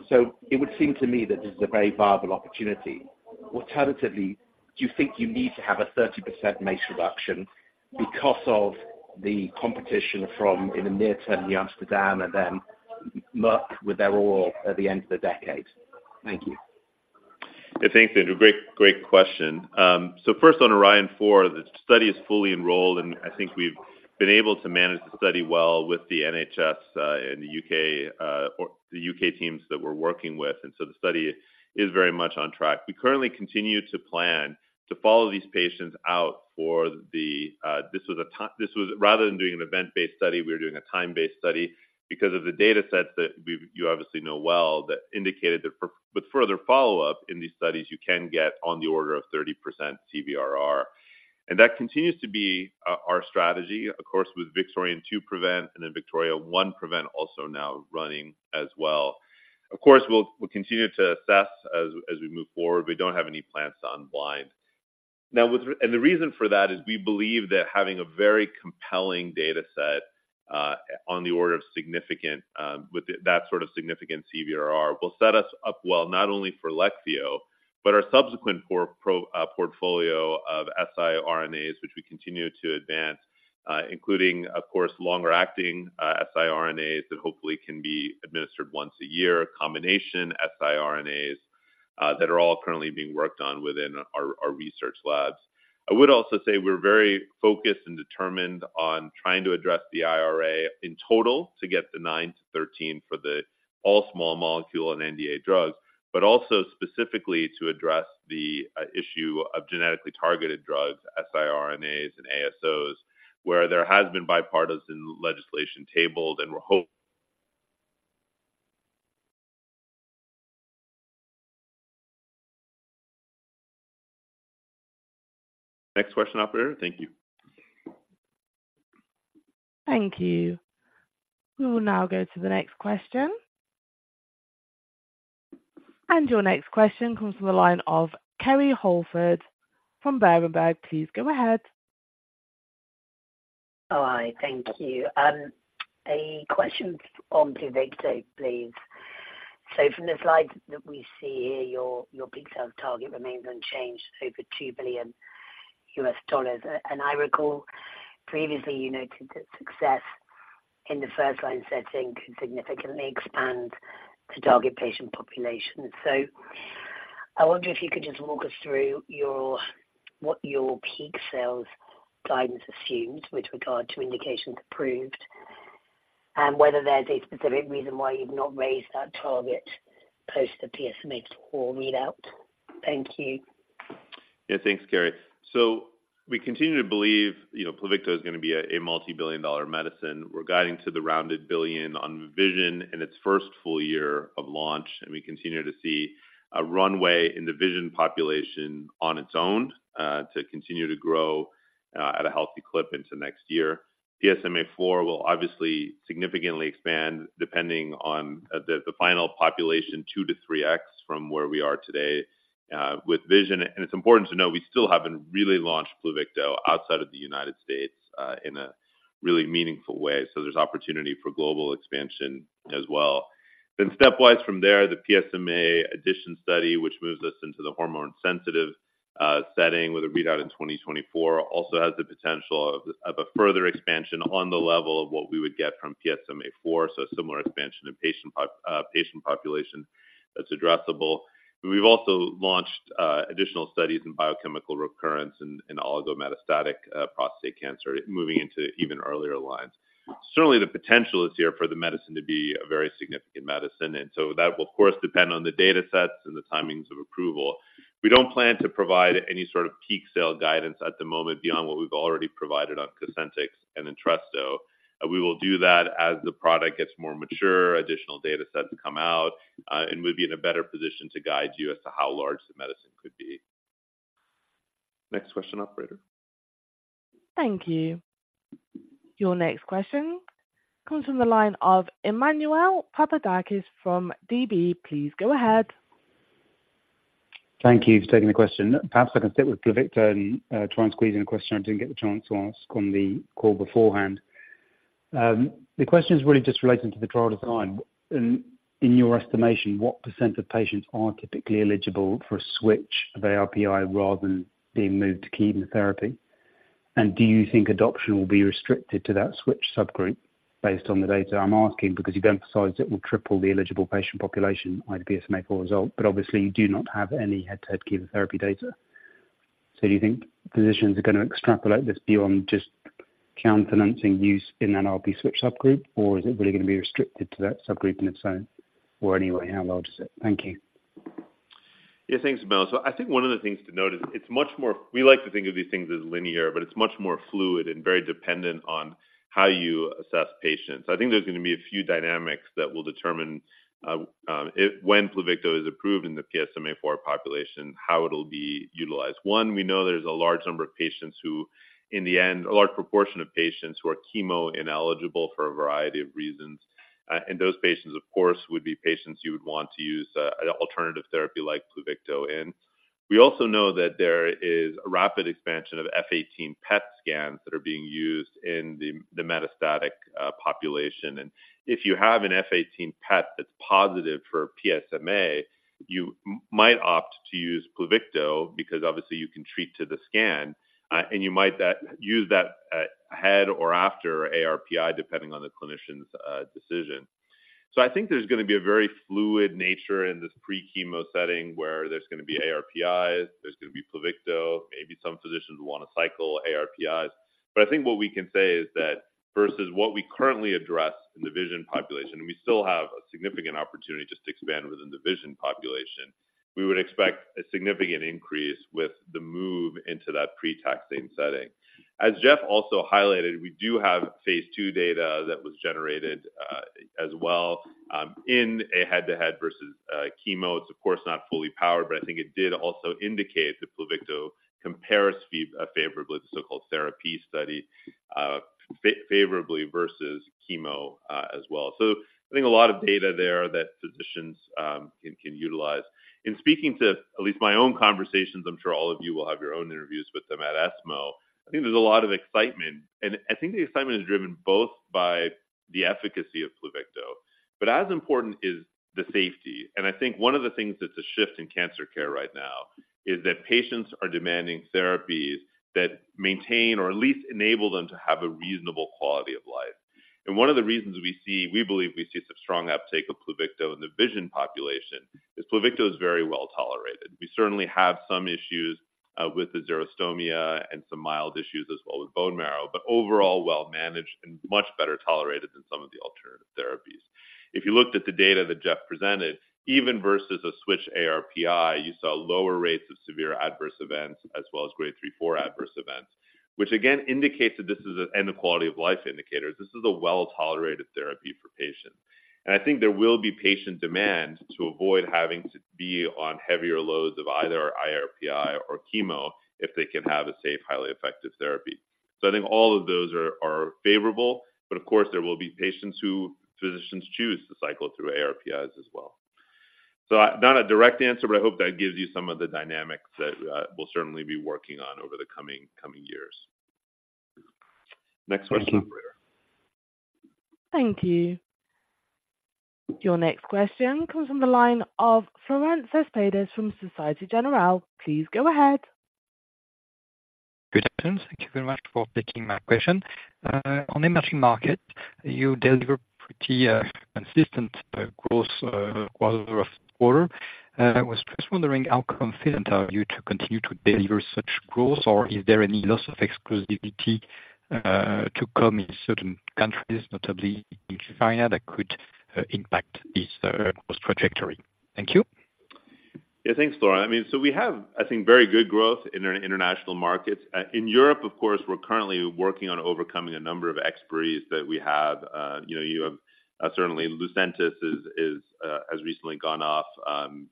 So it would seem to me that this is a very viable opportunity. Alternatively, do you think you need to have a 30% MACE reduction because of the competition from, in the near term, Amgem and then Merck with their award at the end of the decade? Thank you. Yeah, thanks, Andrew. Great, great question. So first on Orion 4, the study is fully enrolled, and I think we've been able to manage the study well with the NHS, and the UK teams that we're working with, and so the study is very much on track. We currently continue to plan to follow these patients out for the this was rather than doing an event-based study, we were doing a time-based study because of the datasets that we've you obviously know well, that indicated that for, with further follow-up in these studies, you can get on the order of 30% CVRR. And that continues to be our, our strategy, of course, with VICTORION 2 PREVENT and then VICTORION 1 PREVENT also now running as well. Of course, we'll, we'll continue to assess as, as we move forward. We don't have any plans to unblind. Now, and the reason for that is we believe that having a very compelling dataset, on the order of significant, that sort of significant CVRR, will set us up well, not only for Leqvio, but our subsequent portfolio of siRNAs, which we continue to advance, including, of course, longer-acting siRNAs, that hopefully can be administered once a year, combination siRNAs, that are all currently being worked on within our research labs. I would also say we're very focused and determined on trying to address the IRA in total to get the 9-13 for the all small molecule and NDA drugs, but also specifically to address the issue of genetically targeted drugs, siRNAs and ASOs, where there has been bipartisan legislation tabled, and we're hope- Next question, operator. Thank you. Thank you. We will now go to the next question... Your next question comes from the line of Kerry Holford from Berenberg. Please go ahead. Oh, hi. Thank you. A question on Pluvicto, please. So from the slides that we see here, your peak sales target remains unchanged over $2 billion. And I recall previously you noted that success in the first line setting could significantly expand the target patient population. So I wonder if you could just walk us through your—what your peak sales guidance assumes with regard to indications approved, and whether there's a specific reason why you've not raised that target post the PSMA-4 readout. Thank you. Yeah, thanks, Kerry. So we continue to believe, you know, Pluvicto is going to be a multibillion-dollar medicine. We're guiding to $1 billion in VISION in its first full year of launch, and we continue to see a runway in the VISION population on its own to continue to grow at a healthy clip into next year. PSMA-4 will obviously significantly expand, depending on the final population, 2-3x from where we are today with VISION. And it's important to know we still haven't really launched Pluvicto outside of the United States in a really meaningful way. So there's opportunity for global expansion as well. Then stepwise from there, the PSMA addition study, which moves us into the hormone-sensitive setting with a readout in 2024, also has the potential of, of a further expansion on the level of what we would get from PSMA-4. So a similar expansion in patient population that's addressable. We've also launched additional studies in biochemical recurrence in oligometastatic prostate cancer, moving into even earlier lines. Certainly, the potential is here for the medicine to be a very significant medicine, and so that will, of course, depend on the datasets and the timings of approval. We don't plan to provide any sort of peak sale guidance at the moment beyond what we've already provided on Cosentyx and Entresto. We will do that as the product gets more mature, additional datasets come out, and we'll be in a better position to guide you as to how large the medicine could be. Next question, operator. Thank you. Your next question comes from the line of Emmanuel Papadakis from DB. Please go ahead. Thank you for taking the question. Perhaps I can stick with Pluvicto and try and squeeze in a question I didn't get the chance to ask on the call beforehand. The question is really just relating to the trial design. In your estimation, what percent of patients are typically eligible for a switch of ARPI rather than being moved to chemotherapy? And do you think adoption will be restricted to that switch subgroup based on the data? I'm asking because you've emphasized it will triple the eligible patient population, like PSMA-4 result, but obviously you do not have any head-to-head chemotherapy data. So do you think physicians are going to extrapolate this beyond just post-ARPI use in an ARPI switch subgroup, or is it really going to be restricted to that subgroup in its own, or anyway, how large is it? Thank you. Yeah, thanks, Emmanuel. So I think one of the things to note is it's much more... We like to think of these things as linear, but it's much more fluid and very dependent on how you assess patients. I think there's going to be a few dynamics that will determine if, when Pluvicto is approved in the PSMA-4 population, how it'll be utilized. One, we know there's a large number of patients who, in the end, a large proportion of patients who are chemo-ineligible for a variety of reasons. And those patients, of course, would be patients you would want to use an alternative therapy like Pluvicto in. We also know that there is a rapid expansion of F-18 PET scans that are being used in the metastatic population. And if you have an F-18 PET that's positive for PSMA, you might opt to use Pluvicto because obviously you can treat to the scan, and you might use that ahead or after ARPI, depending on the clinician's decision. So I think there's going to be a very fluid nature in this pre-chemo setting, where there's going to be ARPI, there's going to be Pluvicto, maybe some physicians will want to cycle ARPIs. But I think what we can say is that versus what we currently address in the VISION population, and we still have a significant opportunity just to expand within the VISION population, we would expect a significant increase with the move into that pre-taxane setting. As Jeff also highlighted, we do have phase 2 data that was generated, as well, in a head-to-head versus chemo. It's of course not fully powered, but I think it did also indicate that Pluvicto compares favorably, the so-called therapy study, favorably versus chemo, as well. So I think a lot of data there that physicians can utilize. In speaking to at least my own conversations, I'm sure all of you will have your own interviews with them at ESMO. I think there's a lot of excitement, and I think the excitement is driven both by the efficacy of Pluvicto, but as important is the safety. And I think one of the things that's a shift in cancer care right now is that patients are demanding therapies that maintain or at least enable them to have a reasonable quality of life. One of the reasons we see, we believe we see such strong uptake of Pluvicto in the PSMA population, is Pluvicto is very well tolerated. We certainly have some issues with the xerostomia and some mild issues as well with bone marrow, but overall, well managed and much better tolerated than some of the alternative therapies. If you looked at the data that Jeff presented, even versus a switch ARPI, you saw lower rates of severe adverse events as well as grade 3, 4 adverse events, which again, indicates that this is an end-of-life indicators. This is a well-tolerated therapy for patients. And I think there will be patient demand to avoid having to be on heavier loads of either ARPI or chemo if they can have a safe, highly effective therapy. So I think all of those are favorable, but of course, there will be patients who physicians choose to cycle through ARPIs as well... So not a direct answer, but I hope that gives you some of the dynamics that we'll certainly be working on over the coming years. Next question, operator. Thank you. Your next question comes from the line of Florent Cespedes from Societe Generale. Please go ahead. Good afternoon. Thank you very much for taking my question. On emerging market, you deliver pretty consistent growth quarter-over-quarter. I was just wondering, how confident are you to continue to deliver such growth, or is there any loss of exclusivity to come in certain countries, notably in China, that could impact this growth trajectory? Thank you. Yeah, thanks, Florent. I mean, so we have, I think, very good growth in our international markets. In Europe, of course, we're currently working on overcoming a number of expiries that we have. You know, you have certainly Lucentis has recently gone off. You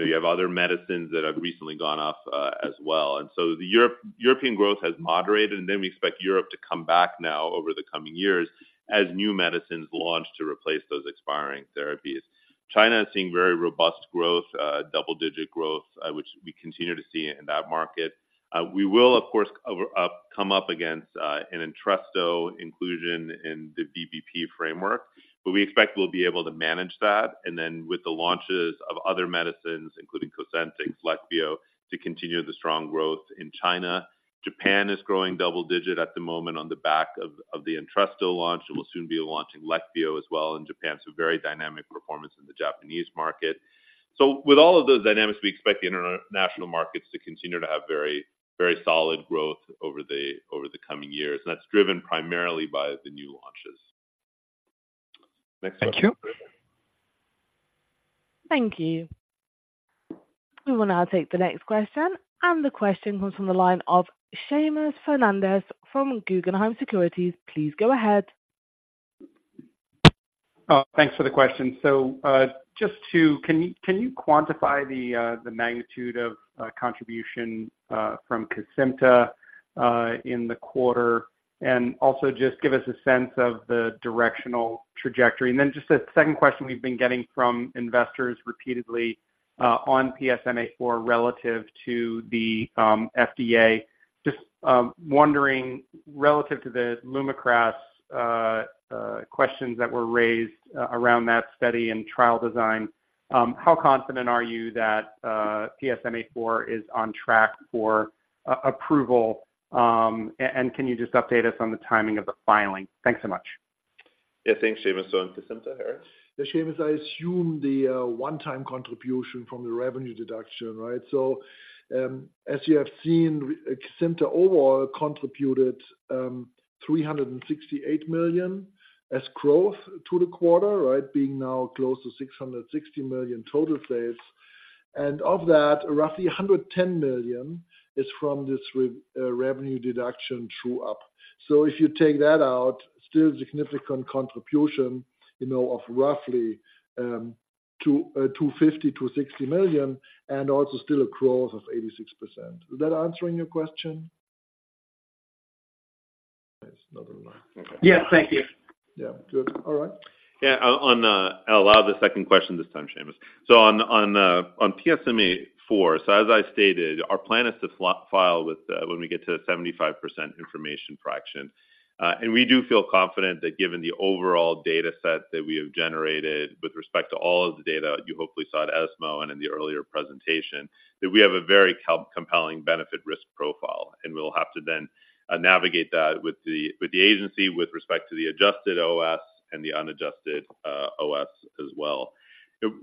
know, you have other medicines that have recently gone off, as well. And so the European growth has moderated, and then we expect Europe to come back now over the coming years as new medicines launch to replace those expiring therapies. China is seeing very robust growth, double-digit growth, which we continue to see in that market. We will, of course, come up against an Entresto inclusion in the VBP framework, but we expect we'll be able to manage that. And then with the launches of other medicines, including Cosentyx, Leqvio, to continue the strong growth in China. Japan is growing double digit at the moment on the back of the Entresto launch, and we'll soon be launching Leqvio as well in Japan, so very dynamic performance in the Japanese market. So with all of those dynamics, we expect the international markets to continue to have very, very solid growth over the coming years, and that's driven primarily by the new launches. Next question. Thank you. Thank you. We will now take the next question, and the question comes from the line of Seamus Fernandez from Guggenheim Securities. Please go ahead. Thanks for the question. So, just to... Can you, can you quantify the magnitude of contribution from Kisqali in the quarter? And also just give us a sense of the directional trajectory. And then just a second question we've been getting from investors repeatedly on PSMA-4 relative to the FDA. Just wondering, relative to the Lumakras questions that were raised around that study and trial design, how confident are you that PSMA-4 is on track for approval? And can you just update us on the timing of the filing? Thanks so much. Yeah, thanks, Seamus. So on Kisqali, Harry? Yeah, Seamus, I assume the one-time contribution from the revenue deduction, right? So, as you have seen, Kisqali overall contributed $368 million as growth to the quarter, right? Being now close to $660 million total sales. And of that, roughly $110 million is from this revenue deduction true-up. So if you take that out, still significant contribution, you know, of roughly $250 million-$260 million, and also still a growth of 86%. Is that answering your question? It's not enough. Okay. Yeah. Thank you. Yeah. Good. All right. Yeah, on, I'll allow the second question this time, Seamus. So on, on, on PSMA-4, so as I stated, our plan is to file with, when we get to 75% information fraction. And we do feel confident that given the overall data set that we have generated with respect to all of the data, you hopefully saw at ESMO and in the earlier presentation, that we have a very compelling benefit risk profile, and we'll have to then, navigate that with the, with the agency with respect to the adjusted OS and the unadjusted, OS as well.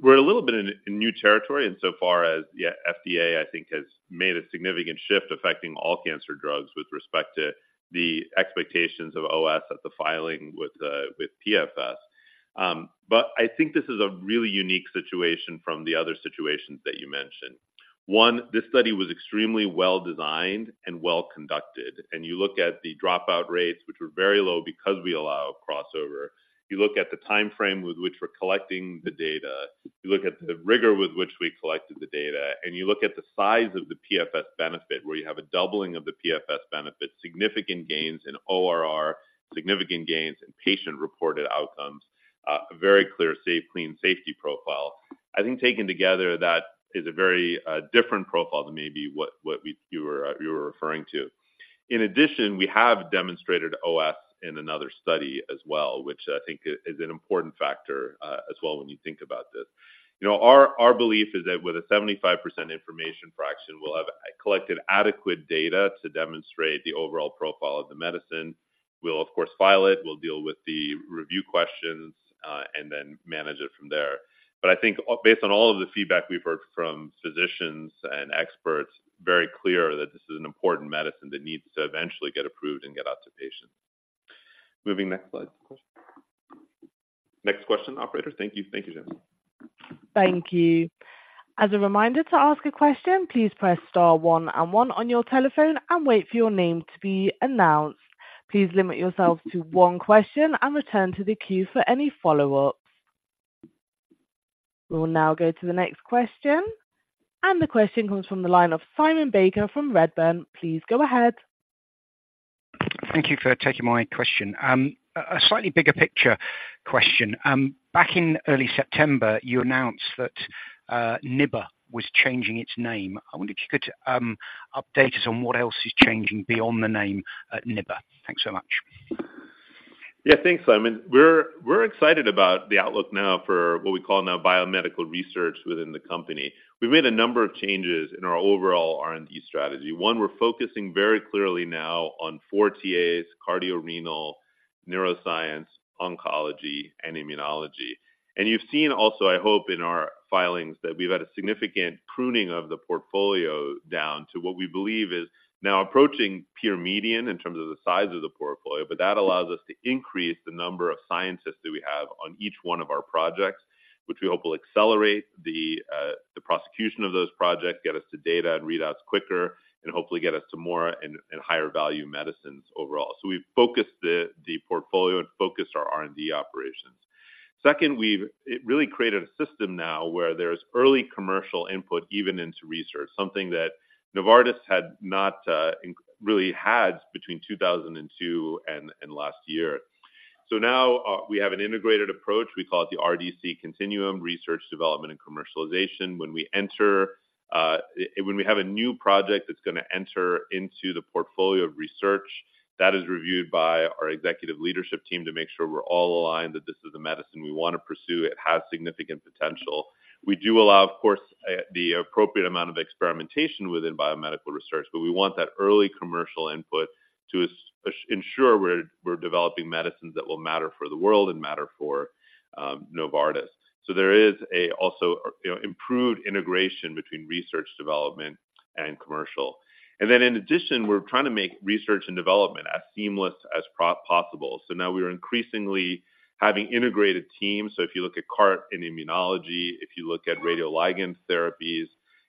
We're a little bit in, in new territory, and so far as yeah, FDA, I think, has made a significant shift affecting all cancer drugs with respect to the expectations of OS at the filing with, with PFS. But I think this is a really unique situation from the other situations that you mentioned. One, this study was extremely well-designed and well-conducted, and you look at the dropout rates, which were very low because we allow crossover. You look at the timeframe with which we're collecting the data, you look at the rigor with which we collected the data, and you look at the size of the PFS benefit, where you have a doubling of the PFS benefit, significant gains in ORR, significant gains in patient-reported outcomes, a very clear, safe, clean safety profile. I think taken together, that is a very different profile than maybe what you were referring to. In addition, we have demonstrated OS in another study as well, which I think is an important factor as well, when you think about this. You know, our belief is that with a 75% information fraction, we'll have collected adequate data to demonstrate the overall profile of the medicine. We'll of course file it, we'll deal with the review questions, and then manage it from there. But I think based on all of the feedback we've heard from physicians and experts, very clear that this is an important medicine that needs to eventually get approved and get out to patients. Moving next slide, question. Next question, operator. Thank you. Thank you, Seamus. Thank you. As a reminder to ask a question, please press star one and one on your telephone and wait for your name to be announced. Please limit yourselves to one question and return to the queue for any follow-ups. We will now go to the next question, and the question comes from the line of Simon Baker from Redburn. Please go ahead. ...Thank you for taking my question. A slightly bigger picture question. Back in early September, you announced that NIBR was changing its name. I wonder if you could update us on what else is changing beyond the name, NIBR. Thanks so much. Yeah, thanks, Simon. We're excited about the outlook now for what we call now biomedical research within the company. We've made a number of changes in our overall R&D strategy. One, we're focusing very clearly now on four TAs, cardiorenal, neuroscience, oncology, and immunology. And you've seen also, I hope, in our filings, that we've had a significant pruning of the portfolio down to what we believe is now approaching peer median in terms of the size of the portfolio, but that allows us to increase the number of scientists that we have on each one of our projects, which we hope will accelerate the prosecution of those projects, get us to data and readouts quicker, and hopefully get us to more and higher value medicines overall. So we've focused the portfolio and focused our R&D operations. Second, we've, it really created a system now where there's early commercial input, even into research, something that Novartis had not really had between 2002 and last year. So now, we have an integrated approach. We call it the RDC continuum, research, development, and commercialization. When we have a new project that's going to enter into the portfolio of research, that is reviewed by our executive leadership team to make sure we're all aligned, that this is the medicine we want to pursue. It has significant potential. We do allow, of course, the appropriate amount of experimentation within biomedical research, but we want that early commercial input to ensure we're developing medicines that will matter for the world and matter for Novartis. So there is also, you know, improved integration between research development and commercial. And then in addition, we're trying to make research and development as seamless as possible. So now we are increasingly having integrated teams. So if you look at CAR-T in immunology, if you look at radioligand therapies.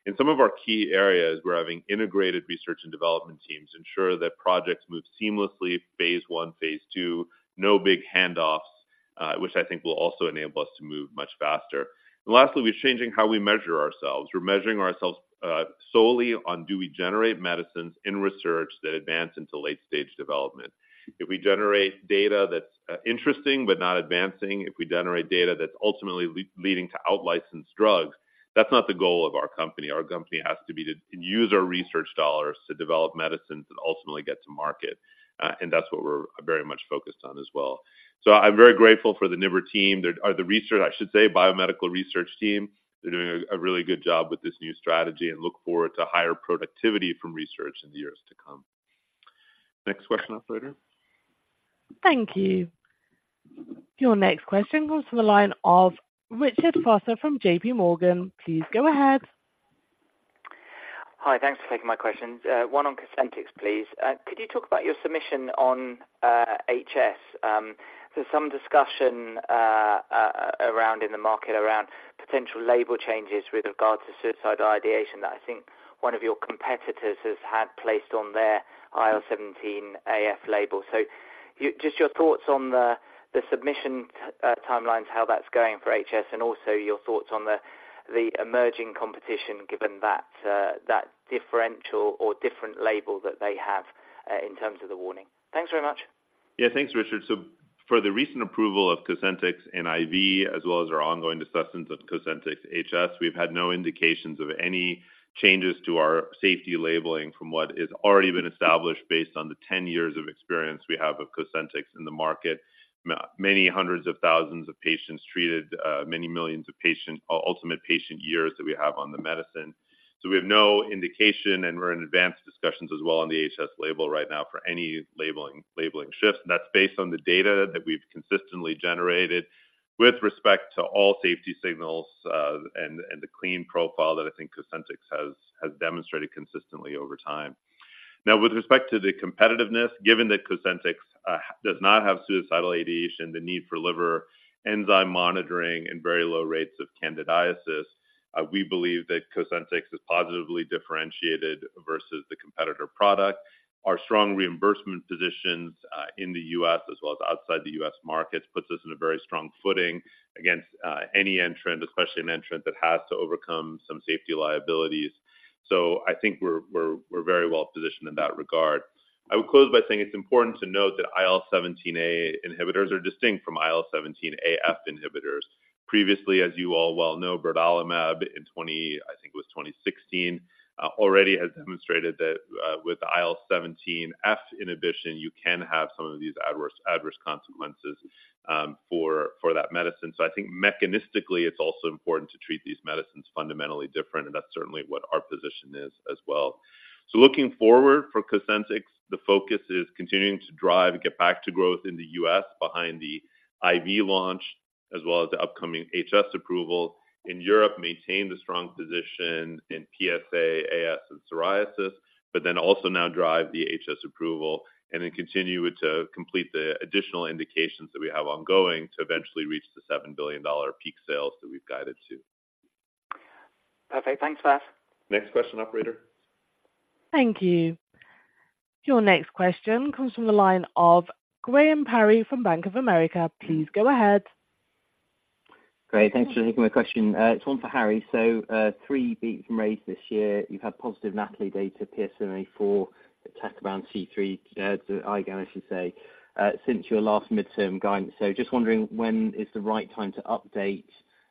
In some of our key areas, we're having integrated research and development teams ensure that projects move seamlessly, phase one, phase two, no big handoffs, which I think will also enable us to move much faster. And lastly, we're changing how we measure ourselves. We're measuring ourselves solely on do we generate medicines in research that advance into late-stage development? If we generate data that's interesting but not advancing, if we generate data that's ultimately leading to out-licensed drugs, that's not the goal of our company. Our company has to be to use our research dollars to develop medicines that ultimately get to market, and that's what we're very much focused on as well. So I'm very grateful for the NIBR team or the research, I should say, biomedical research team. They're doing a really good job with this new strategy and look forward to higher productivity from research in the years to come. Next question, operator. Thank you. Your next question comes from the line of Richard Vosser from JP Morgan. Please go ahead. Hi, thanks for taking my questions. One on Cosentyx, please. Could you talk about your submission on HS? There's some discussion around in the market around potential label changes with regards to suicidal ideation that I think one of your competitors has had placed on their IL-17A label. So your thoughts on the submission timelines, how that's going for HS, and also your thoughts on the emerging competition, given that differential or different label that they have in terms of the warning. Thanks very much. Yeah, thanks, Richard. So for the recent approval of Cosentyx in IV, as well as our ongoing assessments of Cosentyx HS, we've had no indications of any changes to our safety labeling from what is already been established based on the 10 years of experience we have of Cosentyx in the market. Many hundreds of thousands of patients treated, many millions of patient years that we have on the medicine. So we have no indication, and we're in advanced discussions as well on the HS label right now for any labeling, labeling shifts, and that's based on the data that we've consistently generated with respect to all safety signals, and the clean profile that I think Cosentyx has, has demonstrated consistently over time. Now, with respect to the competitiveness, given that Cosentyx does not have suicidal ideation, the need for liver enzyme monitoring and very low rates of candidiasis, we believe that Cosentyx is positively differentiated versus the competitor product. Our strong reimbursement positions in the U.S. as well as outside the U.S. markets puts us in a very strong footing against any entrant, especially an entrant that has to overcome some safety liabilities. So I think we're very well positioned in that regard. I would close by saying it's important to note that IL-17A inhibitors are distinct from IL-17AF inhibitors. Previously, as you all well know, brodalumab in 2016 already has demonstrated that with IL-17F inhibition, you can have some of these adverse consequences for that medicine. I think mechanistically, it's also important to treat these medicines fundamentally different, and that's certainly what our position is as well. So looking forward for Cosentyx, the focus is continuing to drive and get back to growth in the U.S. behind the IV launch, as well as the upcoming HS approval. In Europe, maintain the strong position in PSA, AS, and psoriasis, but then also now drive the HS approval and then continue to complete the additional indications that we have ongoing to eventually reach the $7 billion peak sales that we've guided to. Perfect. Thanks for that. Next question, operator. Thank you. Your next question comes from the line of Graham Parry from Bank of America. Please go ahead. ... Great. Thanks for taking my question. It's one for Harry. So, three beats from Raise this year, you've had positive NATALEE data, PSMA-4, Iptacopan around C3G, the IgAN, I should say, since your last midterm guidance. So just wondering, when is the right time to update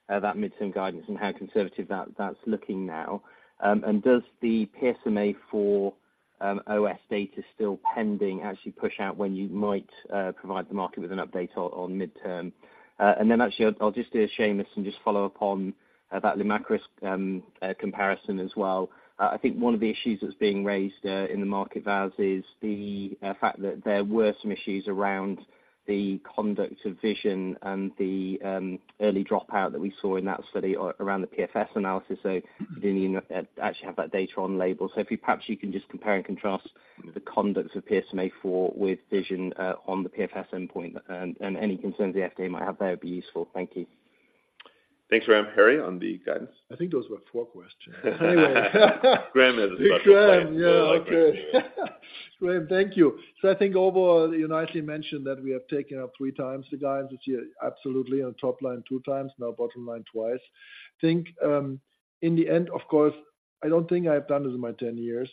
that midterm guidance and how conservative that's looking now? And does the PSMA-4 OS data still pending actually push out when you might provide the market with an update on midterm? And then actually, I'll just do a Seamus and just follow up on that Lumakras comparison as well. I think one of the issues that's being raised in the market values is the fact that there were some issues around the conduct of VISION and the early dropout that we saw in that study around the PFS analysis. So you didn't even actually have that data on label. So if you perhaps can just compare and contrast the conduct of PSMA-4 with VISION on the PFS endpoint and any concerns the FDA might have there would be useful. Thank you. Thanks, Ram. Harry, on the guidance. I think those were four questions. Graham is- Yeah, okay. Graham, thank you. So I think overall, you nicely mentioned that we have taken up 3 times the guidance this year. Absolutely, on top line, 2 times, now bottom line twice. I think, in the end, of course, I don't think I have done this in my 10 years,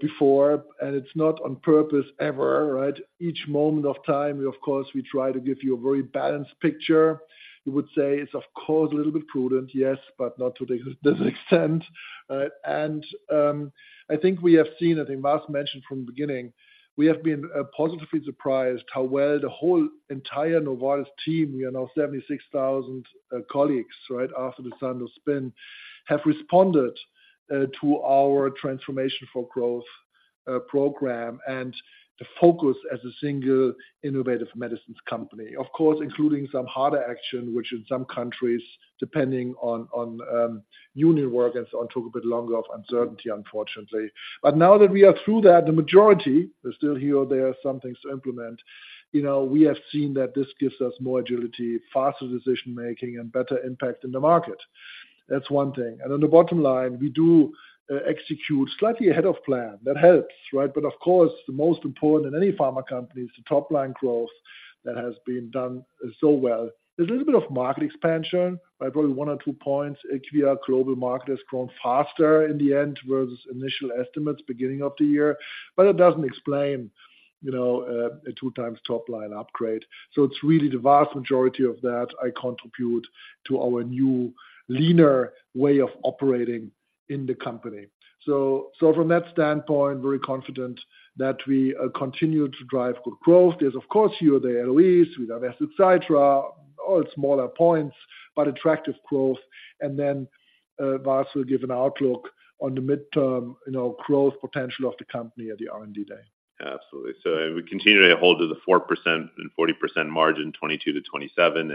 before, and it's not on purpose ever, right? Each moment of time, we of course, we try to give you a very balanced picture. You would say it's of course, a little bit prudent, yes, but not to this, this extent. I think we have seen, I think Vas mentioned from the beginning, we have been positively surprised how well the whole entire Novartis team, you know, 76,000 colleagues, right after the Sandoz spin, have responded to our transformation for growth program and the focus as a single innovative medicines company. Of course, including some harder action, which in some countries, depending on union work and so on, took a bit longer of uncertainty, unfortunately. But now that we are through that, the majority are still here or there, some things to implement, you know, we have seen that this gives us more agility, faster decision making, and better impact in the market. That's one thing. And on the bottom line, we do execute slightly ahead of plan. That helps, right? But of course, the most important in any pharma company is the top line growth that has been done so well. There's a little bit of market expansion by probably one or two points. HVR global market has grown faster in the end versus initial estimates beginning of the year, but it doesn't explain, you know, a two times top line upgrade. So it's really the vast majority of that I contribute to our new leaner way of operating in the company. So from that standpoint, very confident that we continue to drive good growth. There's of course, you, the LOEs, we have asset Citra, all smaller points, but attractive growth. And then, Vas will give an outlook on the midterm, you know, growth potential of the company at the R&D day. Absolutely. So we continue to hold to the 4% and 40% margin, 22-27,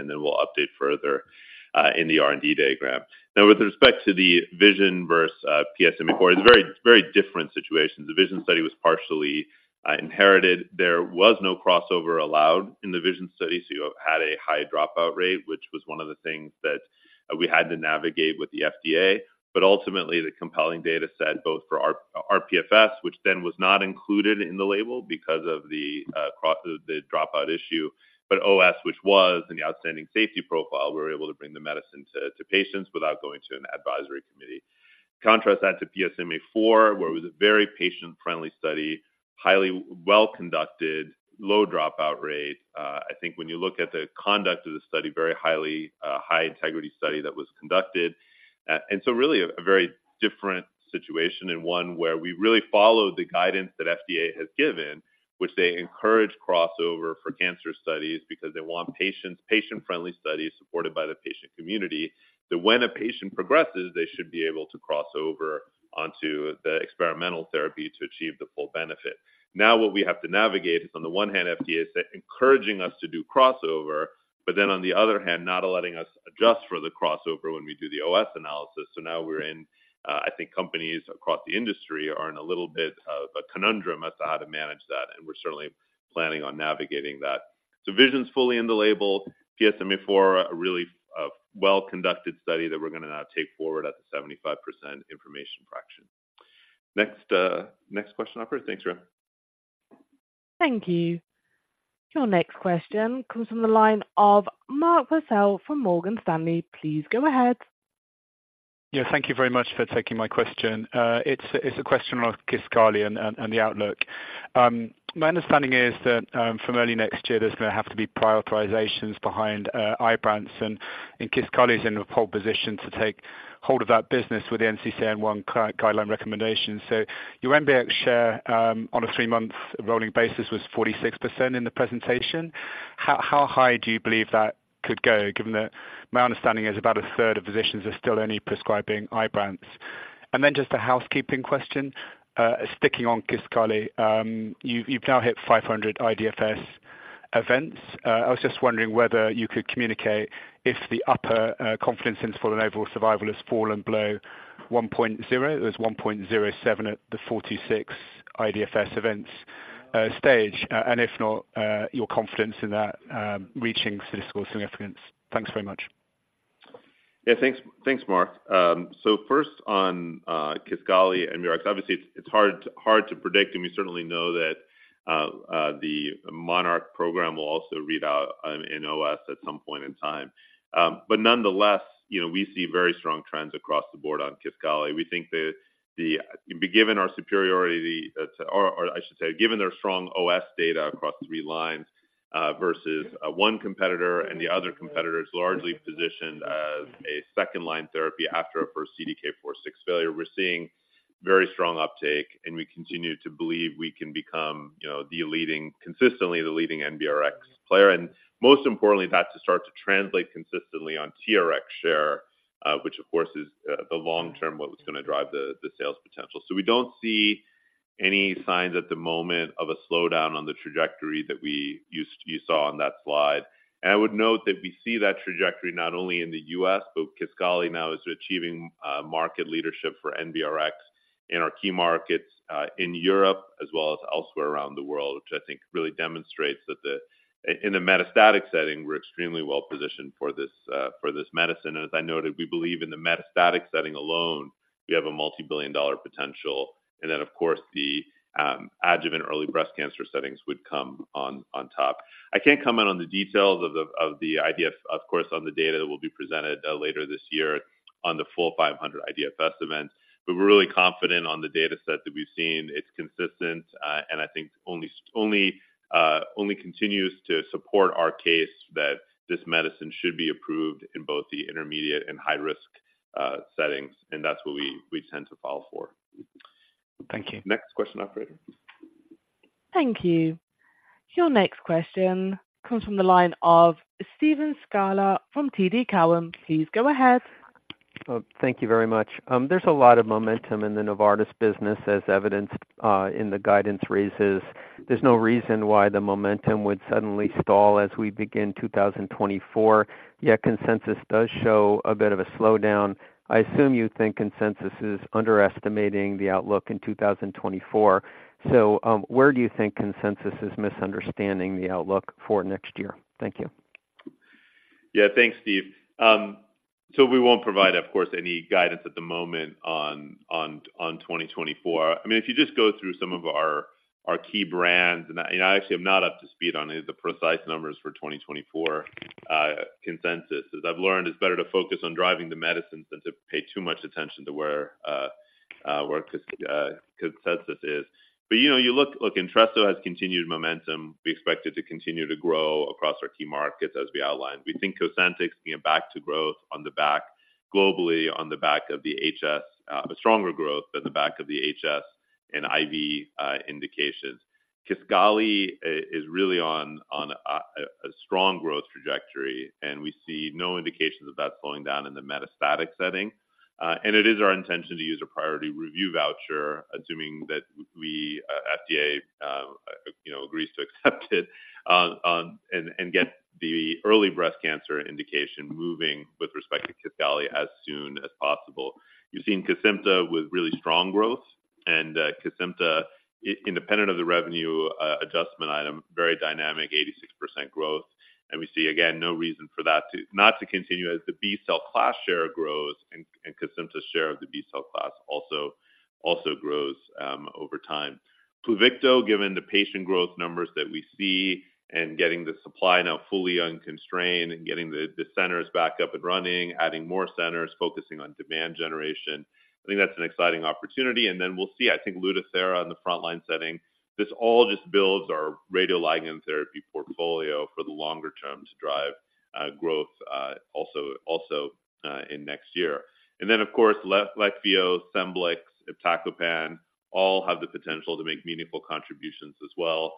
and then we'll update further in the R&D day, Graham. Now, with respect to the VISION versus PSMAfore, it's very, very different situations. The VISION study was partially inherited. There was no crossover allowed in the VISION study, so you had a high dropout rate, which was one of the things that we had to navigate with the FDA. But ultimately, the compelling data set both for rPFS, which then was not included in the label because of the crossover, the dropout issue, but OS, which was in the outstanding safety profile, we were able to bring the medicine to patients without going to an advisory committee. Contrast that to PSMA-4, where it was a very patient friendly study, highly well-conducted, low dropout rate. I think when you look at the conduct of the study, very highly, high integrity study that was conducted. And so really a, a very different situation and one where we really followed the guidance that FDA has given, which they encourage crossover for cancer studies because they want patients, patient friendly studies supported by the patient community, that when a patient progresses, they should be able to cross over onto the experimental therapy to achieve the full benefit. Now, what we have to navigate is, on the one hand, FDA is encouraging us to do crossover, but then, on the other hand, not letting us adjust for the crossover when we do the OS analysis. So now we're in, I think companies across the industry are in a little bit of a conundrum as to how to manage that, and we're certainly planning on navigating that. So Pluvicto's fully in the label, PSMA-4, a really, well-conducted study that we're going to now take forward at the 75% information fraction. Next, next question operator. Thanks, Ram. Thank you. Your next question comes from the line of Mark Purcell from Morgan Stanley. Please go ahead. Yeah, thank you very much for taking my question. It's a question on Kisqali and the outlook. My understanding is that from early next year, there's going to have to be prioritizations behind Ibrance, and Kisqali is in a pole position to take hold of that business with the NCCN Category 1 guideline recommendation. So your NBRX share on a three-month rolling basis was 46% in the presentation. How high do you believe that could go, given that my understanding is about a third of physicians are still only prescribing Ibrance? And then just a housekeeping question, sticking on Kisqali, you've now hit 500 iDFS events. I was just wondering whether you could communicate if the upper confidence interval and overall survival has fallen below 1.0. It was 1.07 at the 46 IDFS events stage. And if not, your confidence in that reaching statistical significance. Thanks very much. ... Yeah, thanks, thanks, Mark. So first on Kisqali and Verzenio, obviously, it's hard to predict, and we certainly know that the Monarch program will also read out in OS at some point in time. But nonetheless, you know, we see very strong trends across the board on Kisqali. We think that the—given our superiority to. Or, I should say, given their strong OS data across three lines versus one competitor and the other competitors, largely positioned as a second line therapy after a first CDK4/6 failure, we're seeing very strong uptake, and we continue to believe we can become, you know, the leading—consistently the leading NBRX player. And most importantly, that to start to translate consistently on TRX share, which of course is the long term, what was going to drive the sales potential. So we don't see any signs at the moment of a slowdown on the trajectory that we used - you saw on that slide. And I would note that we see that trajectory not only in the U.S., but Kisqali now is achieving market leadership for NBRX in our key markets in Europe, as well as elsewhere around the world, which I think really demonstrates that the in a metastatic setting, we're extremely well positioned for this medicine. And as I noted, we believe in the metastatic setting alone, we have a multi-billion dollar potential, and then, of course, the adjuvant early breast cancer settings would come on top. I can't comment on the details of the data, of course, on the data that will be presented later this year on the full 500 iDFS events, but we're really confident on the data set that we've seen. It's consistent, and I think only continues to support our case that this medicine should be approved in both the intermediate and high-risk settings, and that's what we intend to file for. Thank you. Next question, operator. Thank you. Your next question comes from the line of Steven Scala from TD Cowen. Please go ahead. Thank you very much. There's a lot of momentum in the Novartis business, as evidenced in the guidance raises. There's no reason why the momentum would suddenly stall as we begin 2024, yet consensus does show a bit of a slowdown. I assume you think consensus is underestimating the outlook in 2024. So, where do you think consensus is misunderstanding the outlook for next year? Thank you. Yeah, thanks, Steven. So we won't provide, of course, any guidance at the moment on 2024. I mean, if you just go through some of our key brands, and I actually am not up to speed on the precise numbers for 2024 consensus. As I've learned, it's better to focus on driving the medicines than to pay too much attention to where consensus is. But, you know, you look, Entresto has continued momentum. We expect it to continue to grow across our key markets as we outlined. We think Cosentyx being back to growth globally on the back of the HS, a stronger growth than the back of the HS and IV indications. Kisqali is really on a strong growth trajectory, and we see no indications of that slowing down in the metastatic setting. And it is our intention to use a priority review voucher, assuming that the FDA, you know, agrees to accept it, and get the early breast cancer indication moving with respect to Kisqali as soon as possible. You've seen Cosentyx with really strong growth, and Cosentyx, independent of the revenue adjustment item, very dynamic, 86% growth. And we see, again, no reason for that to not continue as the B-cell class share grows and Cosentyx's share of the B-cell class also grows over time. Pluvicto, given the patient growth numbers that we see and getting the supply now fully unconstrained and getting the centers back up and running, adding more centers, focusing on demand generation, I think that's an exciting opportunity. And then we'll see, I think, Lutathera in the frontline setting. This all just builds our radioligand therapy portfolio for the longer term to drive growth also in next year. And then, of course, Leqvio, Scemblix, Iptacopan, all have the potential to make meaningful contributions as well.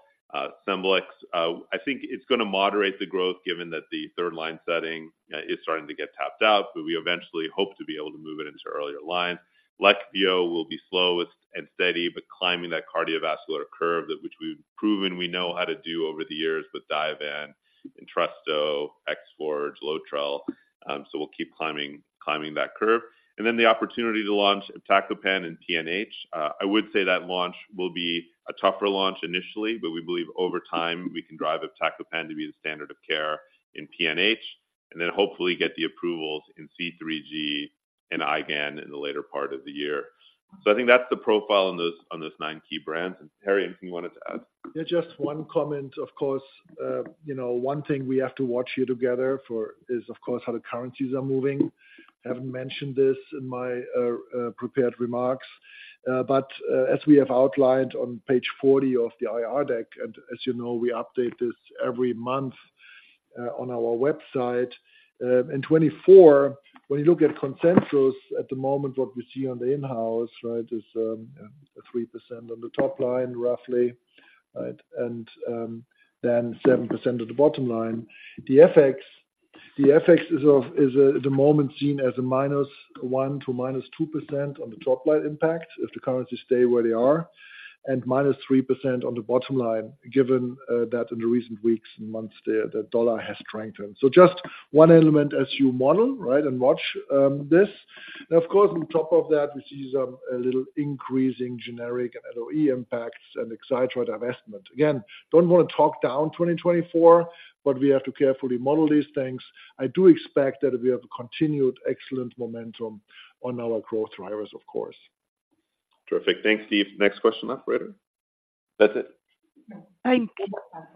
Semglee, I think it's going to moderate the growth, given that the third line setting is starting to get tapped out, but we eventually hope to be able to move it into earlier lines. Leqvio will be slow and steady, but climbing that cardiovascular curve, that which we've proven we know how to do over the years with Diovan, Entresto, Exforge, Lotrel. So we'll keep climbing, climbing that curve. And then the opportunity to launch Iptacopan in PNH. I would say that launch will be a tougher launch initially, but we believe over time, we can drive Iptacopan to be the standard of care in PNH, and then hopefully get the approvals in C3G and IgAN in the later part of the year. So I think that's the profile on those, on those nine key brands. And, Harry, anything you wanted to add? Yeah, just one comment, of course. You know, one thing we have to watch here together for is, of course, how the currencies are moving. I haven't mentioned this in my prepared remarks, but as we have outlined on page 40 of the IR deck, and as you know, we update this every month on our website. In 2024, when you look at consensus at the moment, what we see on the in-house, right, is a 3% on the top line, roughly, right? And then 7% on the bottom line. The FX, the FX is at the moment seen as a -1%-2% on the top line impact, if the currencies stay where they are, and -3% on the bottom line, given that in the recent weeks and months the dollar has strengthened. So just one element as you model, right, and watch this. And of course, on top of that, we see some, a little increase in generic and LOE impacts and accretive divestment. Again, don't want to talk down 2024, but we have to carefully model these things. I do expect that we have a continued excellent momentum on our growth drivers, of course. ... Terrific. Thanks, Steve. Next question, operator? That's it.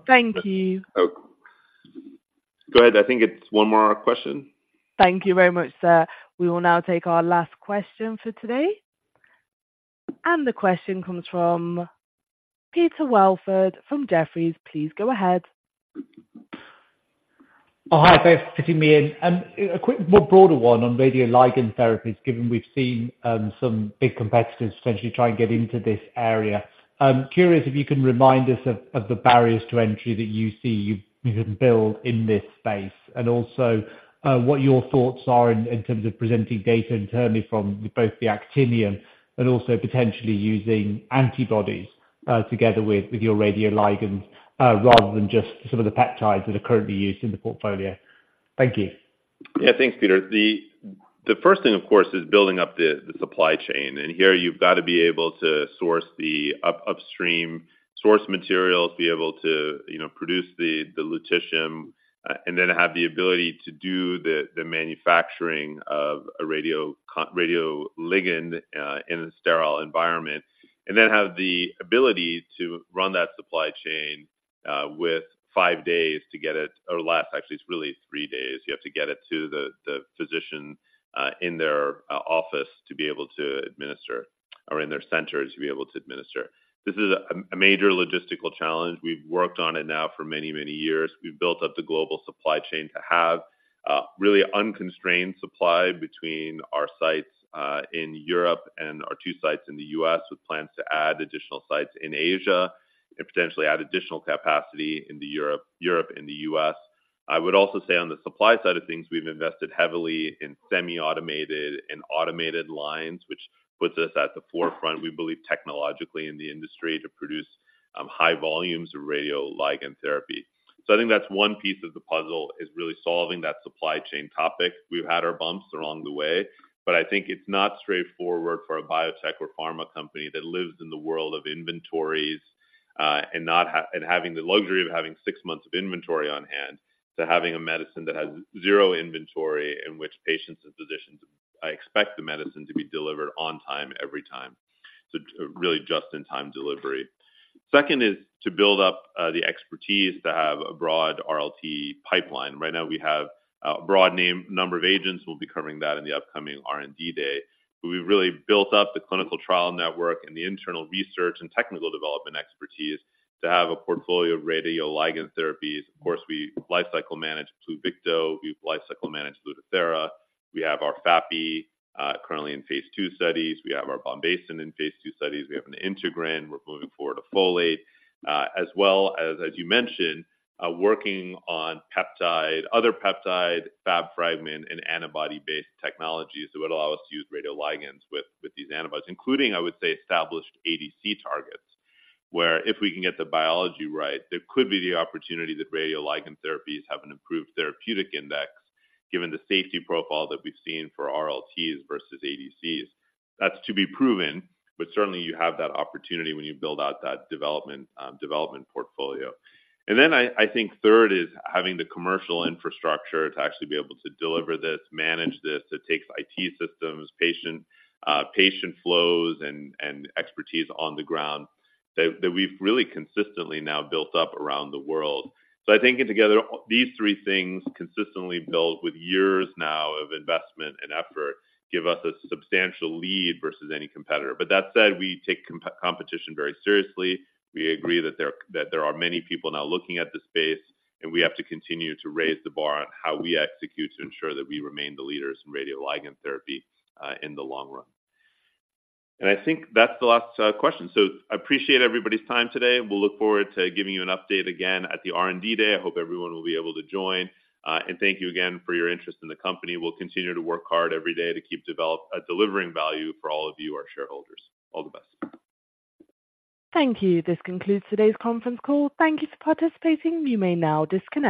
Thank you. Oh, go ahead. I think it's one more question. Thank you very much, sir. We will now take our last question for today. The question comes from Peter Welford from Jefferies. Please go ahead. Oh, hi, thanks for fitting me in. A quick, more broader one on radioligand therapies, given we've seen some big competitors potentially try and get into this area. I'm curious if you can remind us of the barriers to entry that you see you've built in this space, and also what your thoughts are in terms of presenting data internally from both the actinium and also potentially using antibodies together with your radioligands rather than just some of the peptides that are currently used in the portfolio. Thank you. Yeah, thanks, Peter. The first thing, of course, is building up the supply chain, and here you've got to be able to source the upstream source materials, be able to, you know, produce the lutetium, and then have the ability to do the manufacturing of a radioligand in a sterile environment, and then have the ability to run that supply chain with 5 days to get it, or less, actually, it's really 3 days. You have to get it to the physician in their office to be able to administer, or in their centers, to be able to administer. This is a major logistical challenge. We've worked on it now for many, many years. We've built up the global supply chain to have really unconstrained supply between our sites in Europe and our two sites in the US, with plans to add additional sites in Asia, and potentially add additional capacity in Europe and the US. I would also say on the supply side of things, we've invested heavily in semi-automated and automated lines, which puts us at the forefront, we believe, technologically in the industry to produce high volumes of radioligand therapy. So I think that's one piece of the puzzle, is really solving that supply chain topic. We've had our bumps along the way, but I think it's not straightforward for a biotech or pharma company that lives in the world of inventories, and not having the luxury of having six months of inventory on hand, to having a medicine that has zero inventory in which patients and physicians expect the medicine to be delivered on time, every time. So, really just-in-time delivery. Second is to build up the expertise to have a broad RLT pipeline. Right now, we have a broad number of agents. We'll be covering that in the upcoming R&D Day. But we've really built up the clinical trial network and the internal research and technical development expertise to have a portfolio of radioligand therapies. Of course, we lifecycle manage Pluvicto, we lifecycle manage Lutathera. We have our FAPI currently in phase two studies. We have our Bombesin in phase 2 studies. We have an integrin. We're moving forward to folate, as well as, as you mentioned, working on peptide, other peptide, Fab fragment, and antibody-based technologies that would allow us to use radioligands with these antibodies, including, I would say, established ADC targets, where if we can get the biology right, there could be the opportunity that radioligand therapies have an improved therapeutic index, given the safety profile that we've seen for RLTs versus ADCs. That's to be proven, but certainly you have that opportunity when you build out that development portfolio. And then I think third is having the commercial infrastructure to actually be able to deliver this, manage this. It takes IT systems, patient flows, and expertise on the ground that we've really consistently now built up around the world. So I think together, these three things consistently built with years now of investment and effort, give us a substantial lead versus any competitor. But that said, we take competition very seriously. We agree that there are many people now looking at the space, and we have to continue to raise the bar on how we execute to ensure that we remain the leaders in radioligand therapy in the long run. And I think that's the last question. So I appreciate everybody's time today. We'll look forward to giving you an update again at the R&D Day. I hope everyone will be able to join, and thank you again for your interest in the company. We'll continue to work hard every day to keep delivering value for all of you, our shareholders. All the best. Thank you. This concludes today's conference call. Thank you for participating. You may now disconnect.